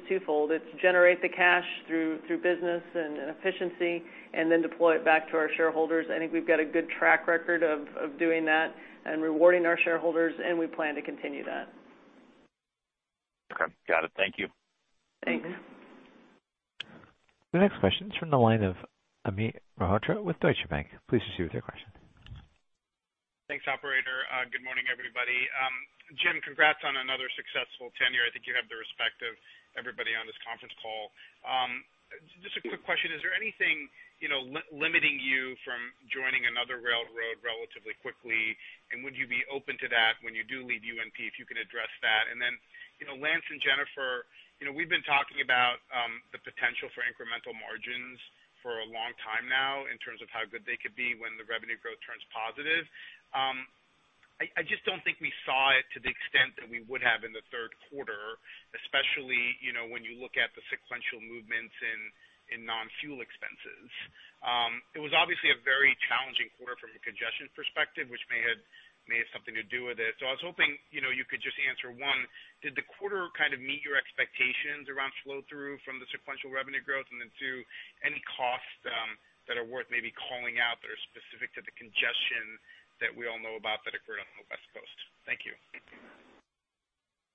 twofold. It's to generate the cash through business and efficiency and then deploy it back to our shareholders. I think we've got a good track record of doing that and rewarding our shareholders, and we plan to continue that. Okay. Got it. Thank you. Thanks. The next question is from the line of Amit Mehrotra with Deutsche Bank. Please proceed with your question. Thanks, operator. Good morning, everybody. Jim, congrats on another successful tenure. I think you have the respect of everybody on this conference call. Just a quick question. Is there anything limiting you from joining another railroad relatively quickly? Would you be open to that when you do leave UNP? If you could address that. Then Lance and Jennifer, we've been talking about the potential for incremental margins for a long time now in terms of how good they could be when the revenue growth turns positive. I just don't think we saw it to the extent that we would have in the third quarter, especially when you look at the sequential movements in non-fuel expenses. It was obviously a very challenging quarter from a congestion perspective, which may have something to do with it. I was hoping you could just answer one, did the quarter kind of meet your expectations around flow-through from the sequential revenue growth? Two, any costs that are worth maybe calling out that are specific to the congestion that we all know about that occurred on the West Coast? Thank you.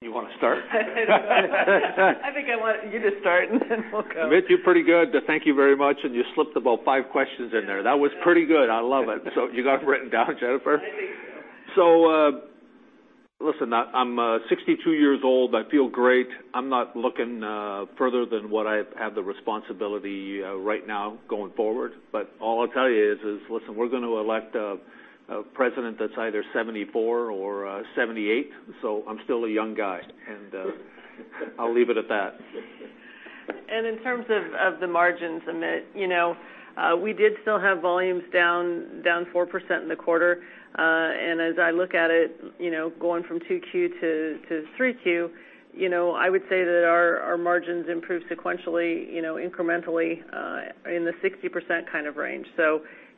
You want to start? I think I want you to start and then we'll go. Amit, you're pretty good. Thank you very much. You slipped about five questions in there. That was pretty good. I love it. You got it written down, Jennifer? I think so. Listen, I'm 62 years old. I feel great. I'm not looking further than what I have the responsibility right now going forward. All I'll tell you is, listen, we're going to elect a president that's either 74 or 78, so I'm still a young guy, and I'll leave it at that. In terms of the margins, Amit, we did still have volumes down 4% in the quarter. As I look at it, going from two Q to three Q, I would say that our margins improved sequentially, incrementally in the 60% kind of range.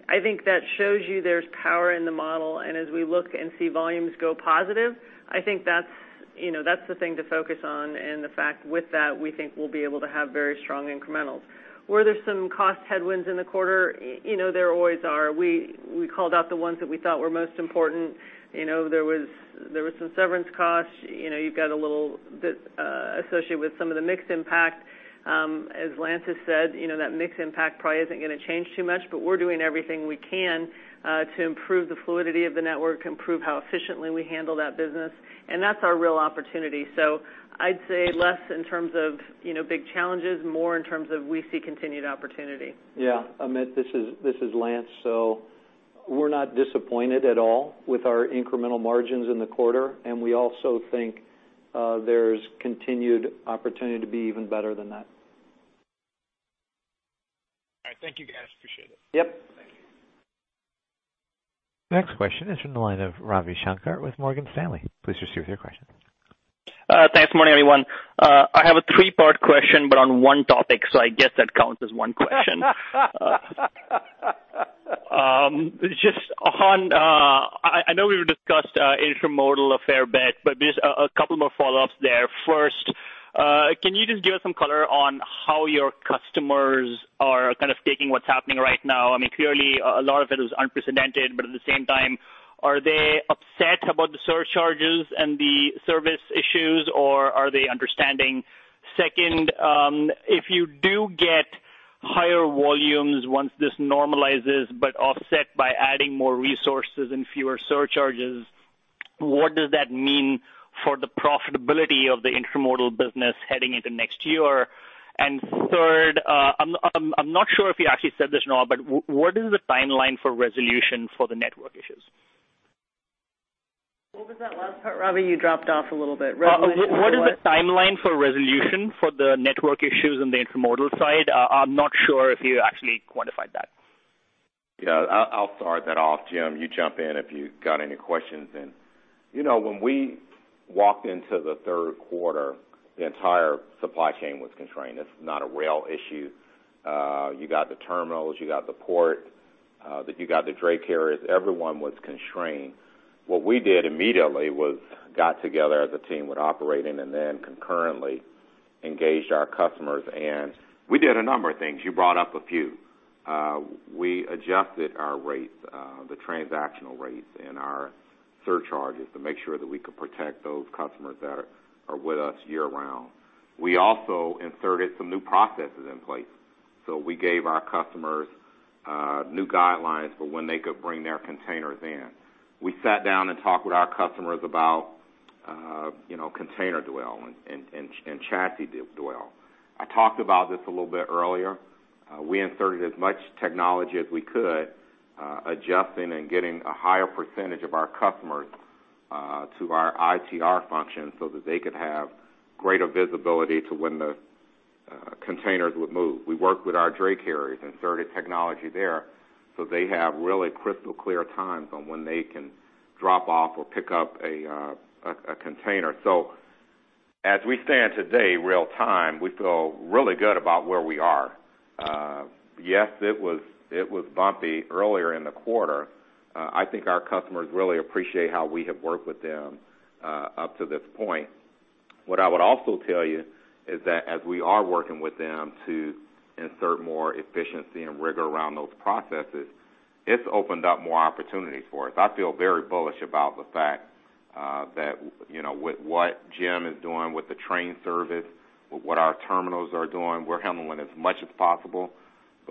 I think that shows you there's power in the model. As we look and see volumes go positive, I think that's the thing to focus on. The fact with that, we think we'll be able to have very strong incrementals. Were there some cost headwinds in the quarter? There always are. We called out the ones that we thought were most important. There was some severance costs, you've got a little associated with some of the mixed impact. As Lance has said, that mix impact probably isn't going to change too much, but we're doing everything we can to improve the fluidity of the network, improve how efficiently we handle that business. That's our real opportunity. I'd say less in terms of big challenges, more in terms of we see continued opportunity. Yeah. Amit, this is Lance. We're not disappointed at all with our incremental margins in the quarter, and we also think there's continued opportunity to be even better than that. All right. Thank you, guys. Appreciate it. Yep. Next question is from the line of Ravi Shanker with Morgan Stanley. Please proceed with your question. Thanks. Morning, everyone. I have a three-part question, but on one topic, so I guess that counts as one question. Just on, I know we've discussed intermodal a fair bit, but just a couple more follow-ups there. First, can you just give us some color on how your customers are kind of taking what's happening right now? Clearly, a lot of it is unprecedented, but at the same time, are they upset about the surcharges and the service issues, or are they understanding? Second, if you do get higher volumes once this normalizes, but offset by adding more resources and fewer surcharges, what does that mean for the profitability of the intermodal business heading into next year? Third, I'm not sure if you actually said this or not, but what is the timeline for resolution for the network issues? What was that last part, Ravi? You dropped off a little bit. Resolution for what? What is the timeline for resolution for the network issues on the intermodal side? I'm not sure if you actually quantified that. I'll start that off, Jim. You jump in if you got any questions then. When we walked into the third quarter, the entire supply chain was constrained. It's not a rail issue. You got the terminals, you got the port, you got the dray carriers, everyone was constrained. What we did immediately was got together as a team with operations, and then concurrently engaged our customers, and we did a number of things. You brought up a few. We adjusted our rates, the transactional rates, and our surcharges to make sure that we could protect those customers that are with us year-round. We also inserted some new processes in place. We gave our customers new guidelines for when they could bring their containers in. We sat down and talked with our customers about container dwell and chassis dwell. I talked about this a little bit earlier. We inserted as much technology as we could, adjusting and getting a higher percentage of our customers to our ITR function so that they could have greater visibility to when the containers would move. We worked with our dray carriers, inserted technology there, so they have really crystal clear times on when they can drop off or pick up a container. As we stand today, real time, we feel really good about where we are. Yes, it was bumpy earlier in the quarter. I think our customers really appreciate how we have worked with them up to this point. What I would also tell you is that as we are working with them to insert more efficiency and rigor around those processes, it's opened up more opportunities for us. I feel very bullish about the fact that with what Jim is doing with the train service, with what our terminals are doing, we're handling as much as possible.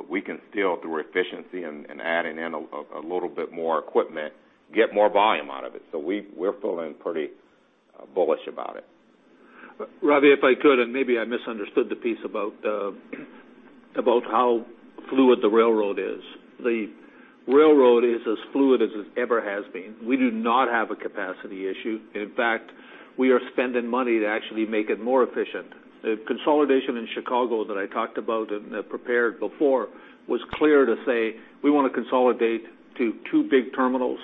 We can still, through efficiency and adding in a little bit more equipment, get more volume out of it. We're feeling pretty bullish about it. Ravi, if I could, maybe I misunderstood the piece about how fluid the railroad is. The railroad is as fluid as it ever has been. We do not have a capacity issue. In fact, we are spending money to actually make it more efficient. The consolidation in Chicago that I talked about and prepared before was clear to say, we want to consolidate to two big terminals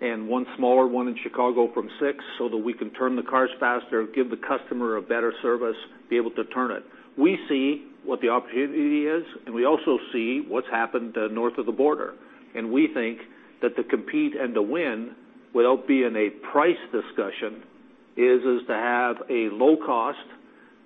and one smaller one in Chicago from six, that we can turn the cars faster, give the customer a better service, be able to turn it. We see what the opportunity is, we also see what's happened north of the border. We think that to compete and to win without being a price discussion is to have a low cost.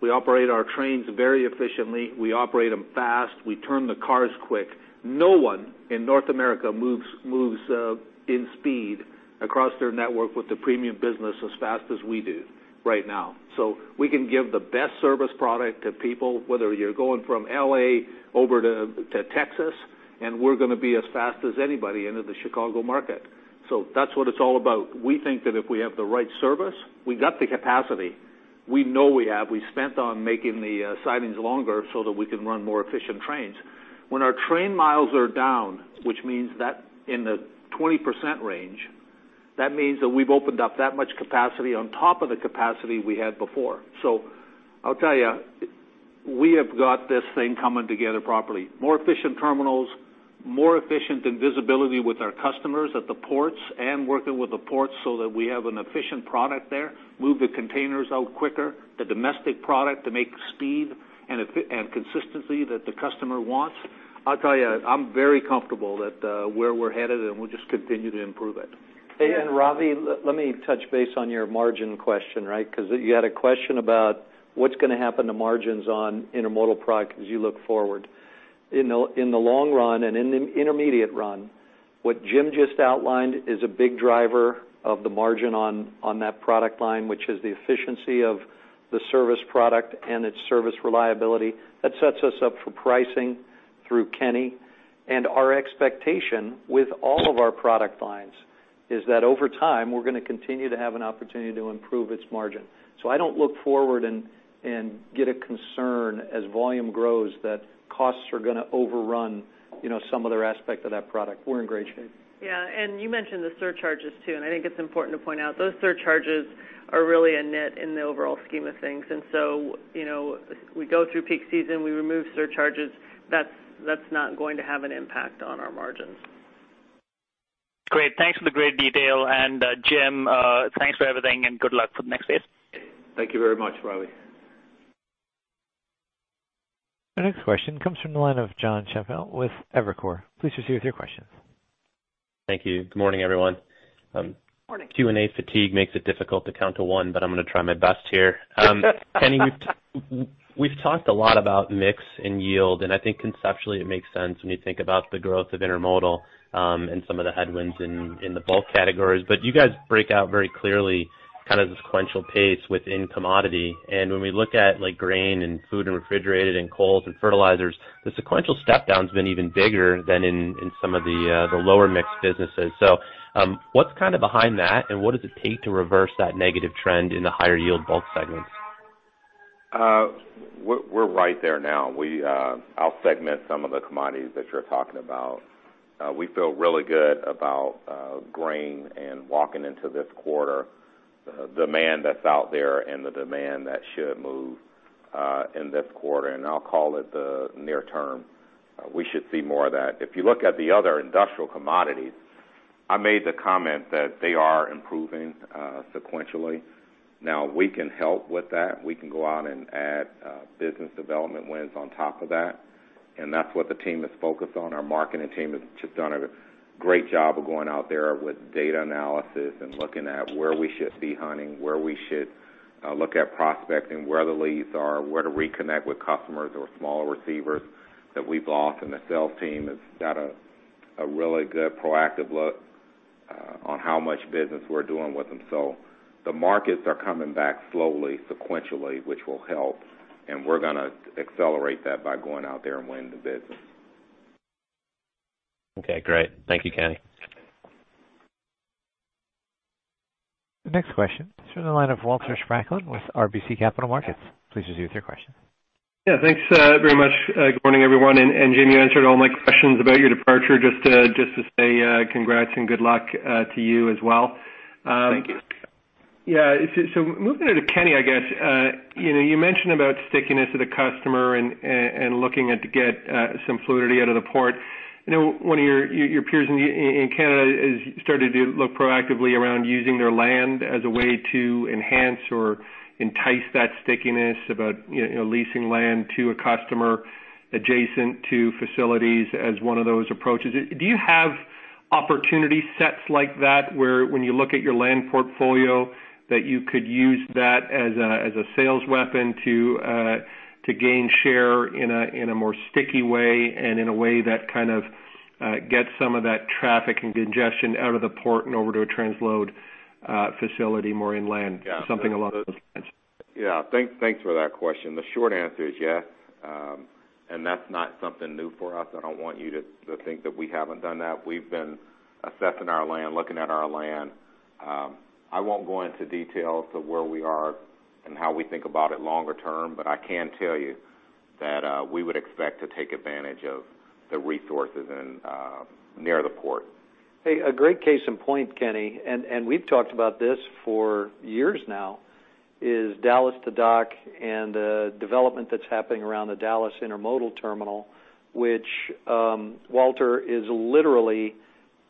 We operate our trains very efficiently. We operate them fast. We turn the cars quick. No one in North America moves in speed across their network with the premium business as fast as we do right now. We can give the best service product to people, whether you're going from L.A. over to Texas, and we're going to be as fast as anybody into the Chicago market. That's what it's all about. We think that if we have the right service, we got the capacity. We know we have. We spent on making the sidings longer so that we can run more efficient trains. When our train miles are down, which means that in the 20% range, that means that we've opened up that much capacity on top of the capacity we had before. I'll tell you, we have got this thing coming together properly. More efficient terminals, more efficient in visibility with our customers at the ports and working with the ports so that we have an efficient product there, move the containers out quicker, the domestic product to make speed and consistency that the customer wants. I'll tell you, I'm very comfortable where we're headed, and we'll just continue to improve it. Ravi, let me touch base on your margin question. You had a question about what's going to happen to margins on intermodal product as you look forward. In the long run and in the intermediate run, what Jim just outlined is a big driver of the margin on that product line, which is the efficiency of the service product and its service reliability. That sets us up for pricing through Kenny. Our expectation with all of our product lines is that over time, we're going to continue to have an opportunity to improve its margin. I don't look forward and get a concern as volume grows, that costs are going to overrun some other aspect of that product. We're in great shape. Yeah. You mentioned the surcharges, too, and I think it's important to point out, those surcharges are really a net in the overall scheme of things. We go through peak season, we remove surcharges, that's not going to have an impact on our margins. Great. Thanks for the great detail. Jim, thanks for everything and good luck for the next phase. Thank you very much, Ravi. Our next question comes from the line of Jon Chappell with Evercore. Please proceed with your questions. Thank you. Good morning, everyone. Q&A fatigue makes it difficult to count to one. I'm going to try my best here. Kenny, we've talked a lot about mix and yield, and I think conceptually it makes sense when you think about the growth of intermodal, and some of the headwinds in the bulk categories. You guys break out very clearly kind of the sequential pace within commodity. When we look at grain and food and refrigerated and coal and fertilizers, the sequential step down has been even bigger than in some of the lower mixed businesses. What's behind that, and what does it take to reverse that negative trend in the higher yield bulk segments? We're right there now. I'll segment some of the commodities that you're talking about. We feel really good about grain and walking into this quarter, the demand that's out there and the demand that should move in this quarter, and I'll call it the near term. We should see more of that. If you look at the other industrial commodities, I made the comment that they are improving sequentially. Now, we can help with that. We can go out and add business development wins on top of that, and that's what the team is focused on. Our marketing team has just done a great job of going out there with data analysis and looking at where we should be hunting, where we should look at prospecting, where the leads are, where to reconnect with customers or smaller receivers that we've lost. The sales team has got a really good proactive look on how much business we're doing with them. The markets are coming back slowly, sequentially, which will help, and we're going to accelerate that by going out there and winning the business. Okay, great. Thank you, Kenny. The next question is from the line of Walter Spracklen with RBC Capital Markets. Please proceed with your question. Yeah, thanks very much. Good morning, everyone. Jim, you answered all my questions about your departure, just to say congrats and good luck to you as well. Thank you. Moving on to Kenny, I guess. You mentioned about stickiness of the customer and looking to get some fluidity out of the port. One of your peers in Canada has started to look proactively around using their land as a way to enhance or entice that stickiness about leasing land to a customer adjacent to facilities as one of those approaches. Do you have opportunity sets like that where when you look at your land portfolio, that you could use that as a sales weapon to gain share in a more sticky way and in a way that kind of gets some of that traffic and congestion out of the port and over to a transload facility more inland? Something along those lines. Yeah. Thanks for that question. The short answer is yes, and that's not something new for us. I don't want you to think that we haven't done that. We've been assessing our land, looking at our land. I won't go into details of where we are and how we think about it longer term, but I can tell you that we would expect to take advantage of the resources near the port. Hey, a great case in point, Kenny, we've talked about this for years now, is Dallas to Dock, and the development that's happening around the Dallas intermodal terminal, which, Walter, is literally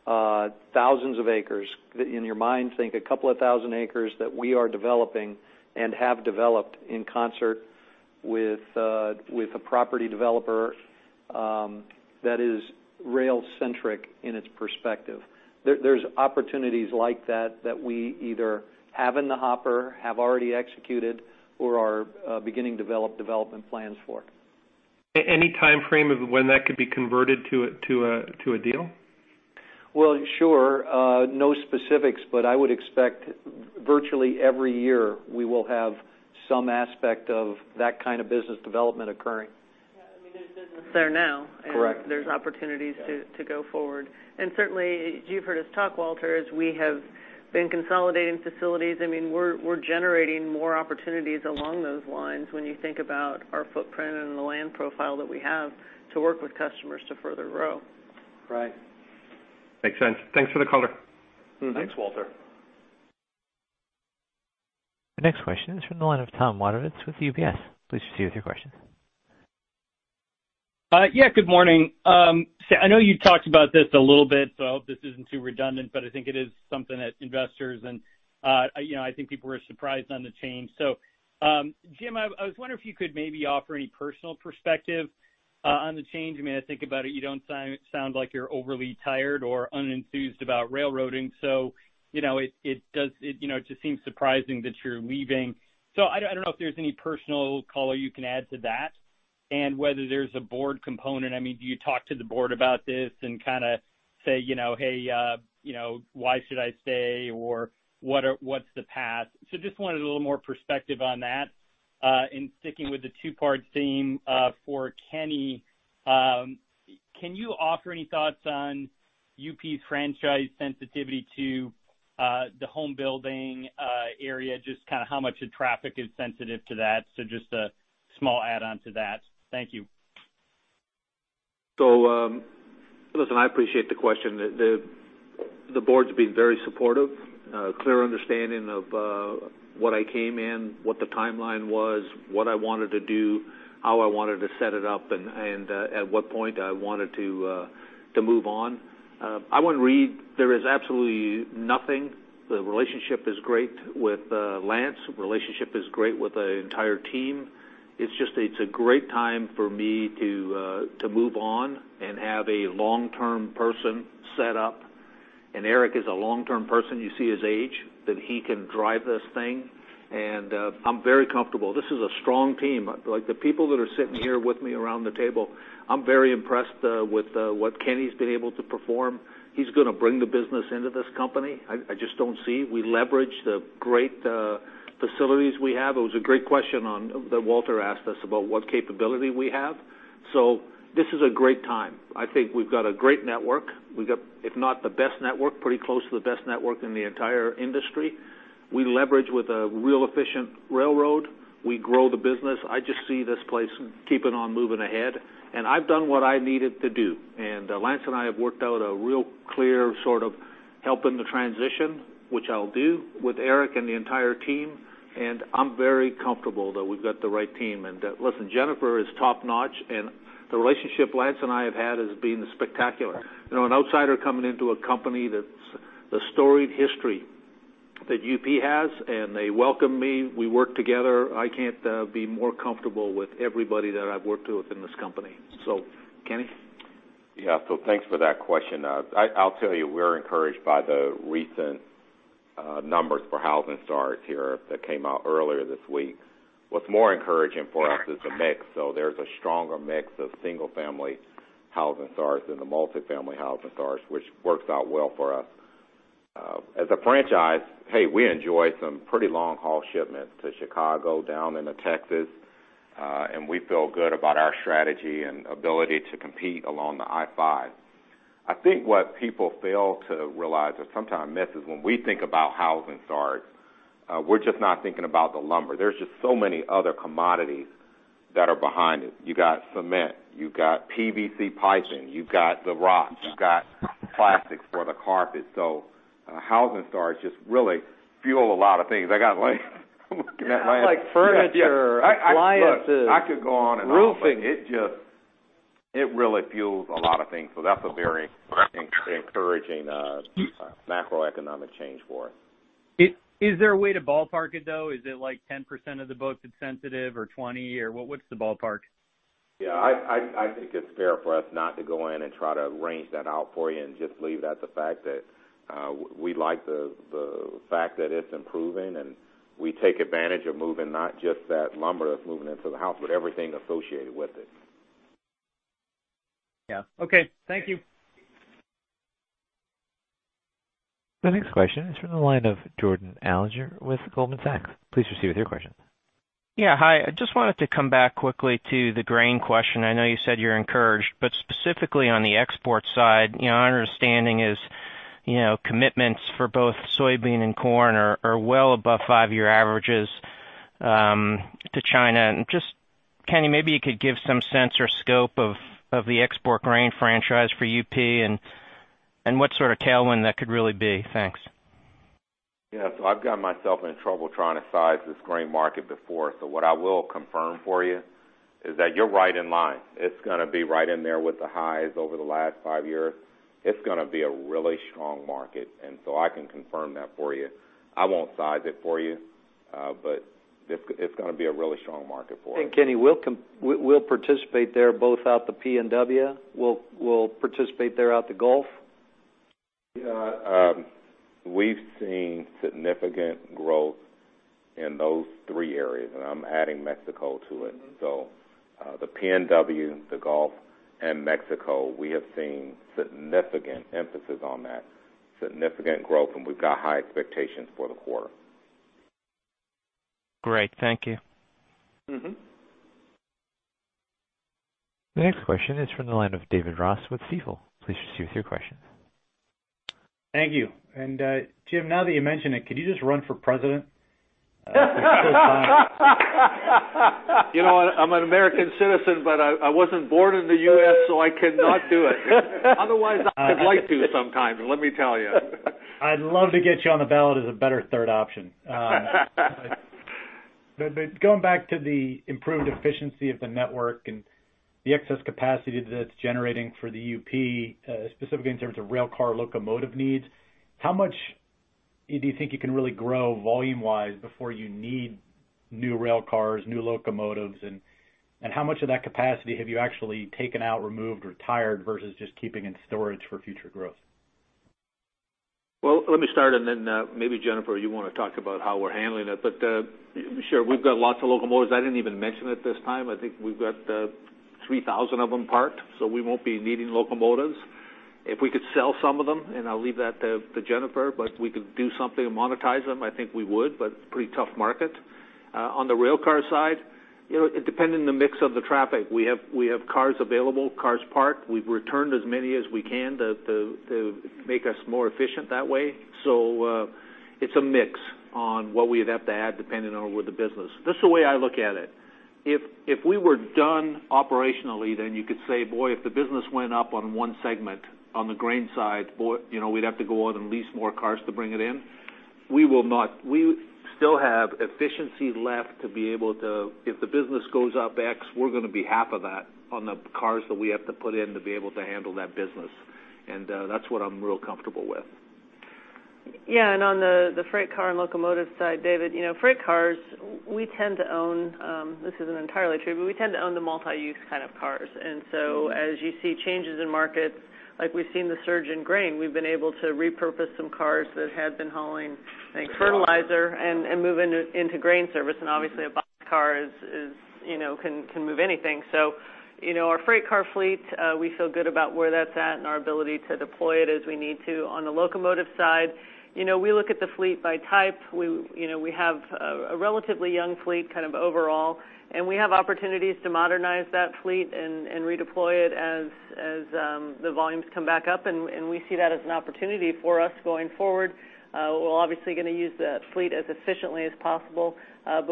thousands of acres. In your mind, think a couple of thousand acres that we are developing and have developed in concert with a property developer that is rail-centric in its perspective. There's opportunities like that that we either have in the hopper, have already executed, or are beginning to develop development plans for. Any timeframe of when that could be converted to a deal? Well, sure. No specifics. I would expect virtually every year we will have some aspect of that kind of business development occurring. Yeah, there's business there now. Correct. There's opportunities to go forward. Certainly, you've heard us talk, Walter, as we have been consolidating facilities. We're generating more opportunities along those lines when you think about our footprint and the land profile that we have to work with customers to further grow. Right. Makes sense. Thanks for the color. Thanks, Walter. The next question is from the line of Tom Wadewitz with UBS. Please proceed with your question. Yeah, good morning. I know you talked about this a little bit, so I hope this isn't too redundant, but I think it is something that investors and I think people were surprised on the change. Jim, I was wondering if you could maybe offer any personal perspective on the change. I mean, I think about it, you don't sound like you're overly tired or unenthused about railroading. It just seems surprising that you're leaving. I don't know if there's any personal color you can add to that and whether there's a board component. Do you talk to the board about this and kind of say, "Hey, why should I stay, or what's the path?" Just wanted a little more perspective on that. Sticking with the two-part theme, for Kenny, can you offer any thoughts on UP's franchise sensitivity to the home building area? Just how much of traffic is sensitive to that? Just a small add-on to that. Thank you. Listen, I appreciate the question. The board's been very supportive, clear understanding of what I came in, what the timeline was, what I wanted to do, how I wanted to set it up, and at what point I wanted to move on. There is absolutely nothing. The relationship is great with Lance, relationship is great with the entire team. It's just a great time for me to move on and have a long-term person set up. Eric is a long-term person. You see his age, that he can drive this thing. I'm very comfortable. This is a strong team. The people that are sitting here with me around the table, I'm very impressed with what Kenny's been able to perform. He's going to bring the business into this company. I just don't see. We leverage the great facilities we have. It was a great question that Walter asked us about what capability we have. This is a great time. I think we've got a great network. We've got, if not the best network, pretty close to the best network in the entire industry. We leverage with a real efficient railroad. We grow the business. I just see this place keeping on moving ahead. I've done what I needed to do, and Lance and I have worked out a real clear sort of helping the transition, which I'll do with Eric and the entire team, and I'm very comfortable that we've got the right team. Listen, Jennifer is top-notch, and the relationship Lance and I have had has been spectacular. An outsider coming into a company that's the storied history that UP has, and they welcome me. We work together. I can't be more comfortable with everybody that I've worked with in this company. Kenny? Yeah. Thanks for that question. I'll tell you, we're encouraged by the recent numbers for housing starts here that came out earlier this week. What's more encouraging for us is the mix. There's a stronger mix of single-family housing starts than the multifamily housing starts, which works out well for us. As a franchise, hey, we enjoy some pretty long-haul shipments to Chicago, down into Texas. We feel good about our strategy and ability to compete along the I-5. I think what people fail to realize or sometimes miss is when we think about housing starts, we're just not thinking about the lumber. There's just so many other commodities that are behind it. You got cement, you got PVC piping, you've got the rocks, you've got plastics for the carpet. Housing starts just really fuel a lot of things. Like furniture, appliances. Look, I could go on and on. Roofing it really fuels a lot of things. That's a very encouraging macroeconomic change for us. Is there a way to ballpark it, though? Is it like 10% of the book that's sensitive or 20%? What's the ballpark? Yeah, I think it's fair for us not to go in and try to range that out for you and just leave that the fact that we like the fact that it's improving and we take advantage of moving not just that lumber that's moving into the house, but everything associated with it. Yeah. Okay. Thank you. The next question is from the line of Jordan Alliger with Goldman Sachs. Please proceed with your question. Yeah, hi. I just wanted to come back quickly to the grain question. I know you said you're encouraged, but specifically on the export side, our understanding is commitments for both soybean and corn are well above five-year averages to China. Just, Kenny, maybe you could give some sense or scope of the export grain franchise for UP and what sort of tailwind that could really be. Thanks. Yeah. I've got myself in trouble trying to size this grain market before. What I will confirm for you is that you're right in line. It's going to be right in there with the highs over the last five years. It's going to be a really strong market. I can confirm that for you. I won't size it for you, but it's going to be a really strong market for us. Kenny, we'll participate there both out the PNW, we'll participate there out the Gulf? Yeah. We've seen significant growth in those three areas, and I'm adding Mexico to it. The PNW, the Gulf, and Mexico, we have seen significant, emphasis on that, significant growth, and we've got high expectations for the quarter. Great. Thank you. The next question is from the line of David Ross with Stifel. Please proceed with your question. Thank you. Jim, now that you mention it, could you just run for president? I'm an American citizen, but I wasn't born in the U.S., so I cannot do it. Otherwise, I would like to sometime, let me tell you. I'd love to get you on the ballot as a better third option. Going back to the improved efficiency of the network and the excess capacity that it's generating for the UP, specifically in terms of railcar locomotive needs, how much do you think you can really grow volume-wise before you need new railcars, new locomotives, and how much of that capacity have you actually taken out, removed, retired, versus just keeping in storage for future growth? Let me start, and then maybe, Jennifer, you want to talk about how we're handling it. Sure, we've got lots of locomotives. I didn't even mention it this time. I think we've got 3,000 of them parked, so we won't be needing locomotives. If we could sell some of them, and I'll leave that to Jennifer, but if we could do something to monetize them, I think we would, but pretty tough market. On the railcar side, depending on the mix of the traffic, we have cars available, cars parked. We've returned as many as we can to make us more efficient that way. It's a mix on what we'd have to add depending on with the business. That's the way I look at it. If we were done operationally, you could say, boy, if the business went up on one segment on the grain side, we'd have to go out and lease more cars to bring it in. We will not. We still have efficiency left to be able to, if the business goes up X, we're going to be half of that on the cars that we have to put in to be able to handle that business. That's what I'm real comfortable with. On the freight car and locomotive side, David, freight cars. We tend to own, this isn't entirely true, we tend to own the multi-use kind of cars. As you see changes in markets, like we've seen the surge in grain, we've been able to repurpose some cars that had been hauling, I think, fertilizer and move into grain service. Obviously, a boxcar can move anything. Our freight car fleet, we feel good about where that's at and our ability to deploy it as we need to. On the locomotive side, we look at the fleet by type. We have a relatively young fleet kind of overall, we have opportunities to modernize that fleet and redeploy it as the volumes come back up, we see that as an opportunity for us going forward. We're obviously going to use that fleet as efficiently as possible.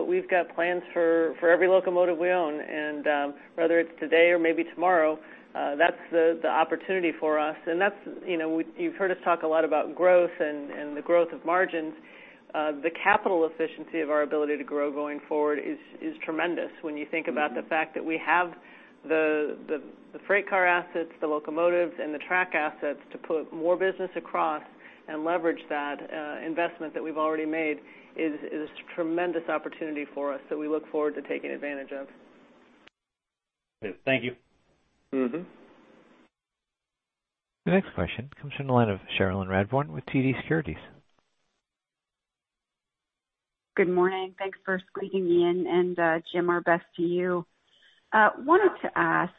We've got plans for every locomotive we own, and whether it's today or maybe tomorrow, that's the opportunity for us. You've heard us talk a lot about growth and the growth of margins. The capital efficiency of our ability to grow going forward is tremendous when you think about the fact that we have the freight car assets, the locomotives, and the track assets to put more business across and leverage that investment that we've already made is a tremendous opportunity for us that we look forward to taking advantage of. Thank you. The next question comes from the line of Cherilyn Radbourne with TD Securities. Good morning. Thanks for squeezing me in, and Jim, our best to you. Wanted to ask,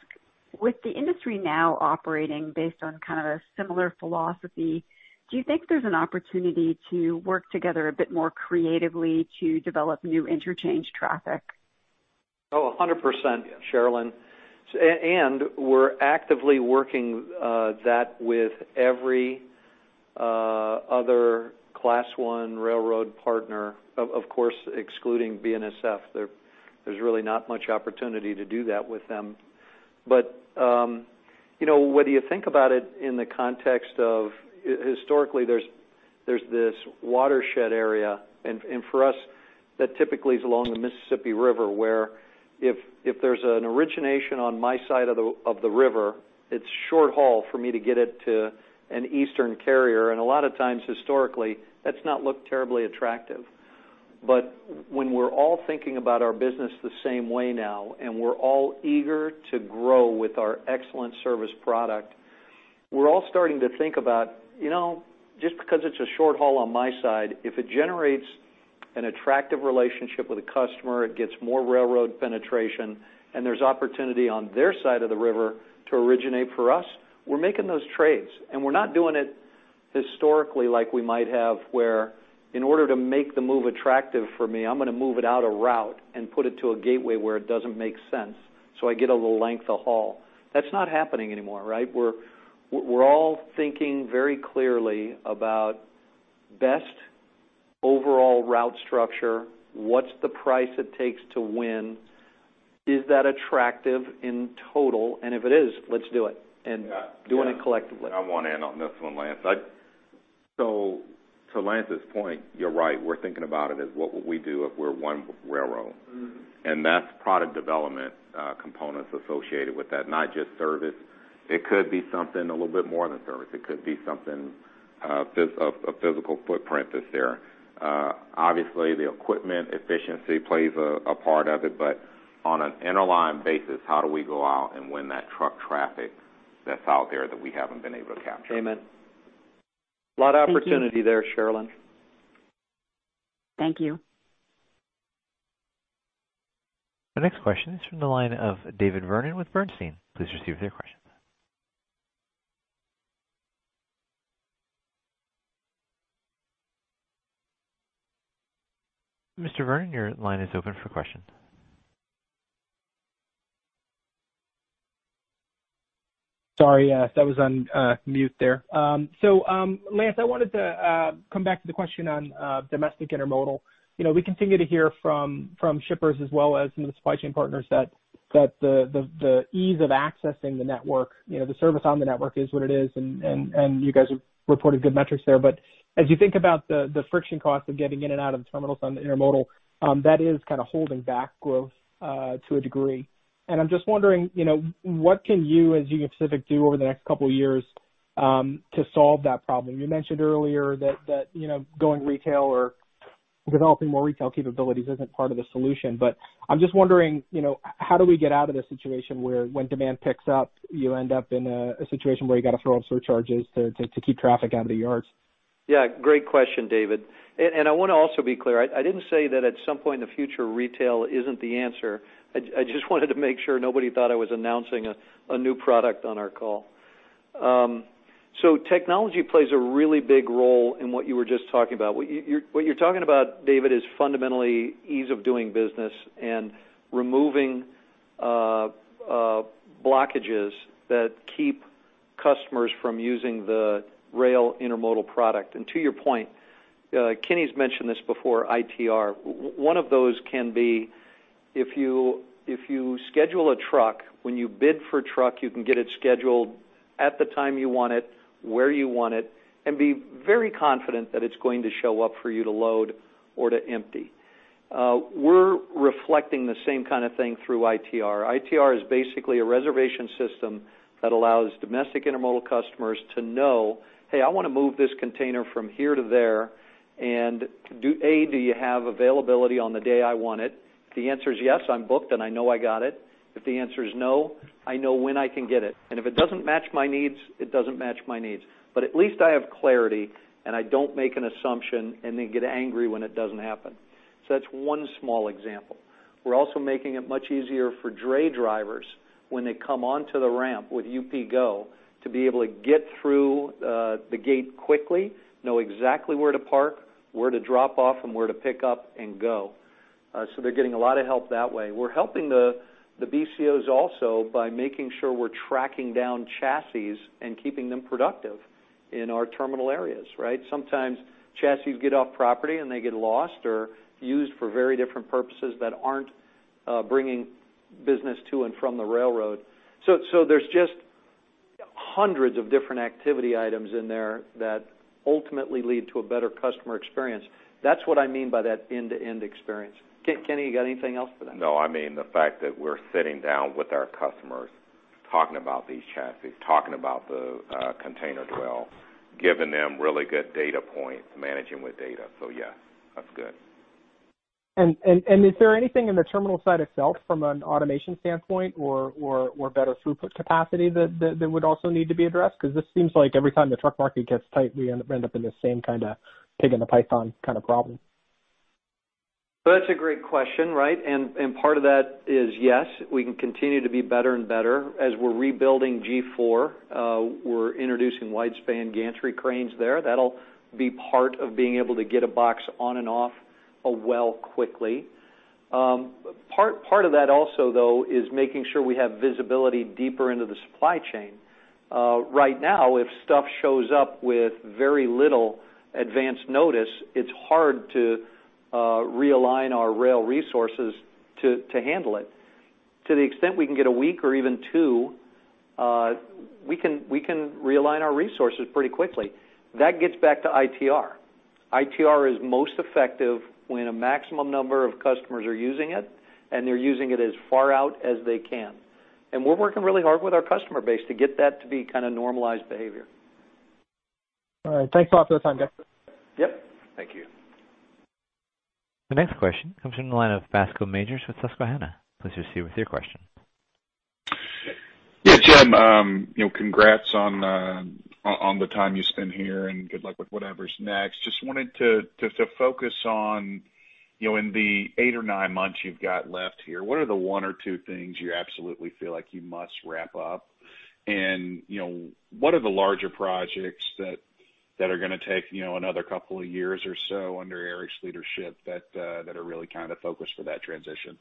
with the industry now operating based on kind of a similar philosophy, do you think there's an opportunity to work together a bit more creatively to develop new interchange traffic? 100%, Cherilyn. We're actively working that with every other Class I railroad partner, of course, excluding BNSF. There's really not much opportunity to do that with them. When you think about it in the context of historically, there's this watershed area, and for us, that typically is along the Mississippi River, where if there's an origination on my side of the river, it's short haul for me to get it to an eastern carrier. A lot of times, historically, that's not looked terribly attractive. When we're all thinking about our business the same way now, and we're all eager to grow with our excellent service product, we're all starting to think about just because it's a short haul on my side, if it generates an attractive relationship with a customer, it gets more railroad penetration, and there's opportunity on their side of the river to originate for us, we're making those trades. We're not doing it historically like we might have, where in order to make the move attractive for me, I'm going to move it out a route and put it to a gateway where it doesn't make sense, so I get a little length of haul. That's not happening anymore, right? We're all thinking very clearly about best overall route structure. What's the price it takes to win? Is that attractive in total? If it is, let's do it and do it collectively. I want to add on this one, Lance. To Lance's point, you're right. We're thinking about it as what would we do if we're one railroad? That's product development components associated with that, not just service. It could be something a little bit more than service. It could be something a physical footprint that's there. Obviously, the equipment efficiency plays a part of it, but on an interline basis, how do we go out and win that truck traffic that's out there that we haven't been able to capture? Amen. A lot of opportunity there, Cherilyn. Thank you. The next question is from the line of David Vernon with Bernstein. Sorry, I was on mute there. Lance, I wanted to come back to the question on domestic intermodal. We continue to hear from shippers as well as some of the supply chain partners that the ease of accessing the network, the service on the network is what it is, and you guys have reported good metrics there. As you think about the friction cost of getting in and out of the terminals on the intermodal, that is kind of holding back growth to a degree. I'm just wondering what can you, as Union Pacific, do over the next couple of years to solve that problem? You mentioned earlier that going retail or developing more retail capabilities isn't part of the solution, but I'm just wondering how do we get out of the situation where when demand picks up, you end up in a situation where you got to throw up surcharges to keep traffic out of the yards? Great question, David. I want to also be clear, I didn't say that at some point in the future, retail isn't the answer. I just wanted to make sure nobody thought I was announcing a new product on our call. Technology plays a really big role in what you were just talking about. What you're talking about, David, is fundamentally ease of doing business and removing blockages that keep customers from using the rail intermodal product. To your point, Kenny's mentioned this before, ITR. One of those can be if you schedule a truck, when you bid for a truck, you can get it scheduled at the time you want it, where you want it, and be very confident that it's going to show up for you to load or to empty. We're reflecting the same kind of thing through ITR. ITR is basically a reservation system that allows domestic intermodal customers to know, "Hey, I want to move this container from here to there, and A, do you have availability on the day I want it? If the answer is yes, I'm booked, and I know I got it. If the answer is no, I know when I can get it. If it doesn't match my needs, it doesn't match my needs. At least I have clarity, and I don't make an assumption and then get angry when it doesn't happen." That's one small example. We're also making it much easier for dray drivers when they come onto the ramp with UPGo to be able to get through the gate quickly, know exactly where to park, where to drop off, and where to pick up and go. They're getting a lot of help that way. We're helping the BCOs also by making sure we're tracking down chassis and keeping them productive in our terminal areas, right? They get lost or used for very different purposes that aren't bringing business to and from the railroad. There's just hundreds of different activity items in there that ultimately lead to a better customer experience. That's what I mean by that end-to-end experience. Kenny, you got anything else for that? No, the fact that we're sitting down with our customers, talking about these chassis, talking about the container dwell, giving them really good data points, managing with data. Yes, that's good. Is there anything in the terminal side itself from an automation standpoint or better throughput capacity that would also need to be addressed? This seems like every time the truck market gets tight, we end up in the same kind of pig in the python kind of problem. That's a great question, right? Part of that is, yes, we can continue to be better and better. As we're rebuilding G4, we're introducing wide-span gantry cranes there. That'll be part of being able to get a box on and off a well quickly. Part of that also, though, is making sure we have visibility deeper into the supply chain. Right now, if stuff shows up with very little advance notice, it's hard to realign our rail resources to handle it. To the extent we can get a week or even two, we can realign our resources pretty quickly. That gets back to ITR. ITR is most effective when a maximum number of customers are using it, and they're using it as far out as they can. We're working really hard with our customer base to get that to be kind of normalized behavior. All right. Thanks a lot for the time, guys. Yep. Thank you. The next question comes from the line of Bascome Majors with Susquehanna. Please proceed with your question. Yeah, Jim, congrats on the time you spent here, and good luck with whatever's next. Just wanted to focus on in the eight or nine months you've got left here, what are the one or two things you absolutely feel like you must wrap up? What are the larger projects that are going to take another couple of years or so under Eric's leadership that are really kind of focused for that transition?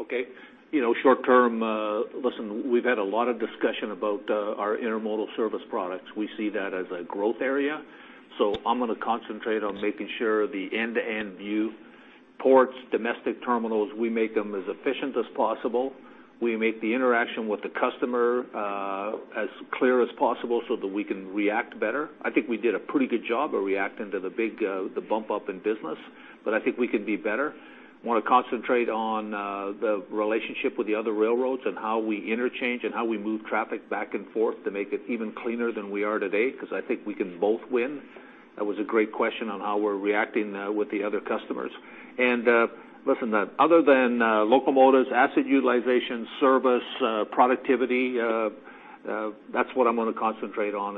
Okay. Short-term, listen, we've had a lot of discussion about our intermodal service products. We see that as a growth area. I'm going to concentrate on making sure the end-to-end view, ports, domestic terminals, we make them as efficient as possible. We make the interaction with the customer as clear as possible so that we can react better. I think we did a pretty good job of reacting to the bump up in business, but I think we can be better. Want to concentrate on the relationship with the other railroads and how we interchange and how we move traffic back and forth to make it even cleaner than we are today. I think we can both win. That was a great question on how we're reacting with the other customers. Listen, other than locomotives, asset utilization, service, productivity, that's what I'm going to concentrate on.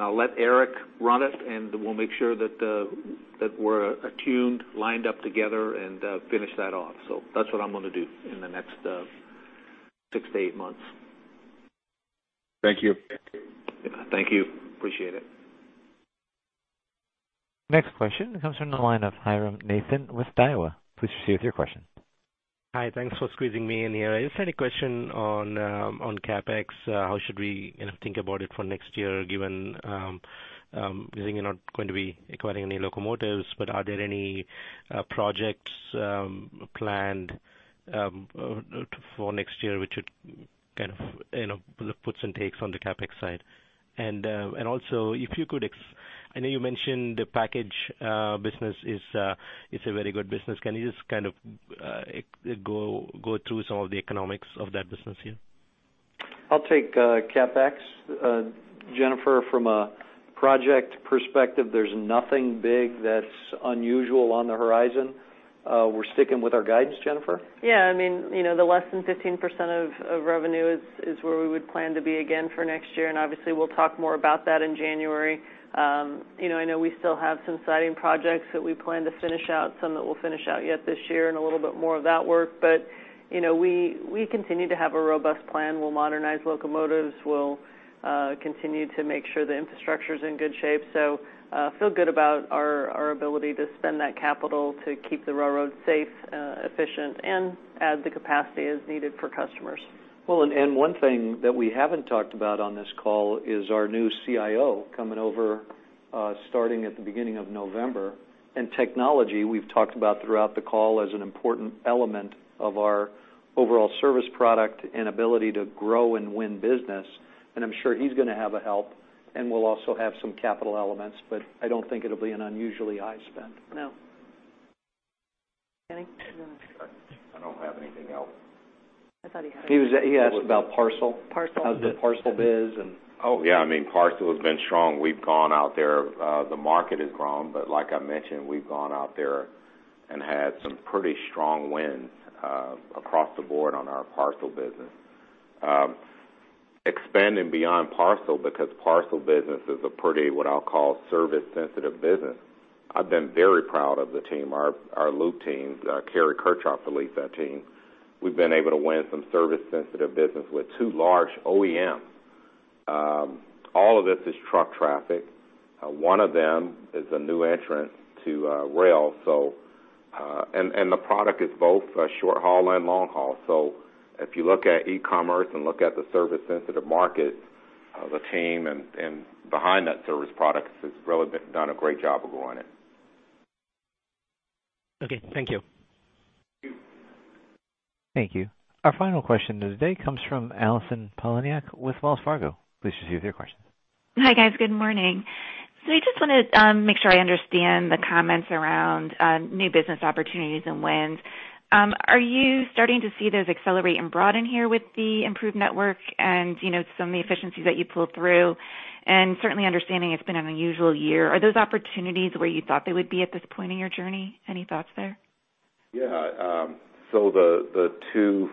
I'll let Eric run it, and we'll make sure that we're attuned, lined up together, and finish that off. That's what I'm going to do in the next six to eight months. Thank you. Thank you. Appreciate it. Next question comes from the line of Jairam Nathan with Daiwa. Please proceed with your question. Hi. Thanks for squeezing me in here. Just had a question on CapEx. How should we think about it for next year, given you think you're not going to be acquiring any locomotives, but are there any projects planned for next year, which would kind of puts and takes on the CapEx side? Also, I know you mentioned the package business is a very good business. Can you just kind of go through some of the economics of that business here? I'll take CapEx. Jennifer, from a project perspective, there's nothing big that's unusual on the horizon. We're sticking with our guidance, Jennifer? Yeah, the less than 15% of revenue is where we would plan to be again for next year, and obviously, we'll talk more about that in January. I know we still have some siding projects that we plan to finish out, some that we'll finish out yet this year and a little bit more of that work. We continue to have a robust plan. We'll modernize locomotives. We'll continue to make sure the infrastructure's in good shape. Feel good about our ability to spend that capital to keep the railroad safe, efficient, and add the capacity as needed for customers. Well, one thing that we haven't talked about on this call is our new CIO coming over starting at the beginning of November. Technology, we've talked about throughout the call as an important element of our overall service product and ability to grow and win business. I'm sure he's going to have a help, and we'll also have some capital elements, but I don't think it'll be an unusually high spend. No. Kenny? I don't have anything else. I thought he asked about parcel. Parcel. How's the parcel biz and? Yeah. Parcel has been strong. We've gone out there. Like I mentioned, we've gone out there and had some pretty strong wins across the board on our parcel business. Expanding beyond parcel because parcel business is a pretty, what I'll call service sensitive business. I've been very proud of the team, our Loup teams, Kari Kirchhoefer leads that team. We've been able to win some service sensitive business with two large OEMs. All of this is truck traffic. One of them is a new entrant to rail. The product is both short haul and long haul. If you look at e-commerce and look at the service sensitive market, the team behind that service product has really done a great job of growing it. Okay, thank you. Thank you. Our final question of the day comes from Allison Poliniak with Wells Fargo. Please proceed with your question. Hi, guys. Good morning. I just want to make sure I understand the comments around new business opportunities and wins. Are you starting to see those accelerate and broaden here with the improved network and some of the efficiencies that you pulled through? Certainly understanding it's been an unusual year. Are those opportunities where you thought they would be at this point in your journey? Any thoughts there? Yeah. The two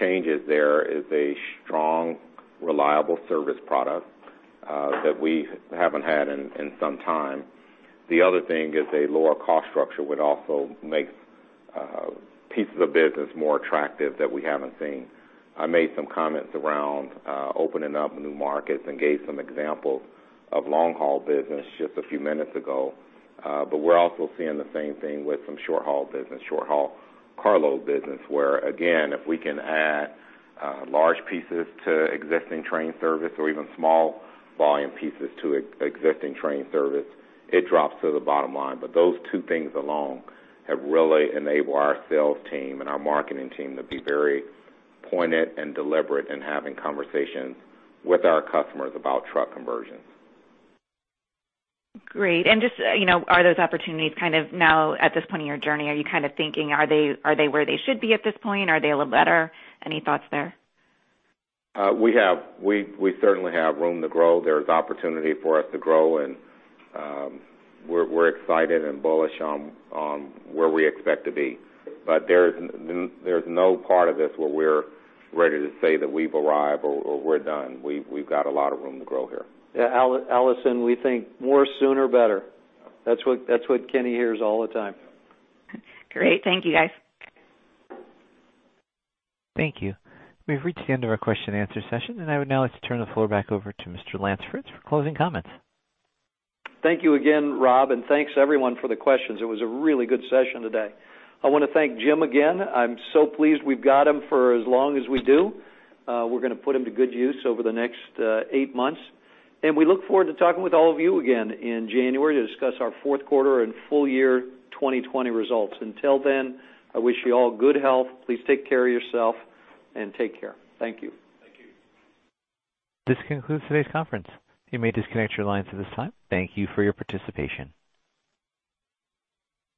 changes there is a strong, reliable service product that we haven't had in some time. The other thing is a lower cost structure would also make pieces of business more attractive that we haven't seen. I made some comments around opening up new markets and gave some examples of long haul business just a few minutes ago. We're also seeing the same thing with some short haul business, short haul carload business, where again, if we can add large pieces to existing train service or even small volume pieces to existing train service, it drops to the bottom line. Those two things alone have really enabled our sales team and our marketing team to be very pointed and deliberate in having conversations with our customers about truck conversions. Great. Just are those opportunities kind of now at this point in your journey, are you kind of thinking are they where they should be at this point? Are they a little better? Any thoughts there? We certainly have room to grow. There's opportunity for us to grow, and we're excited and bullish on where we expect to be. There's no part of this where we're ready to say that we've arrived or we're done. We've got a lot of room to grow here. Yeah, Allison, we think more sooner, better. That's what Kenny hears all the time. Great. Thank you, guys. Thank you. We've reached the end of our question and answer session. I would now like to turn the floor back over to Mr. Lance Fritz for closing comments. Thank you again, Rob, and thanks everyone for the questions. It was a really good session today. I want to thank Jim again. I'm so pleased we've got him for as long as we do. We're going to put him to good use over the next eight months, and we look forward to talking with all of you again in January to discuss our fourth quarter and full year 2020 results. Until then, I wish you all good health. Please take care of yourself and take care. Thank you. This concludes today's conference. You may disconnect your lines at this time. Thank you for your participation.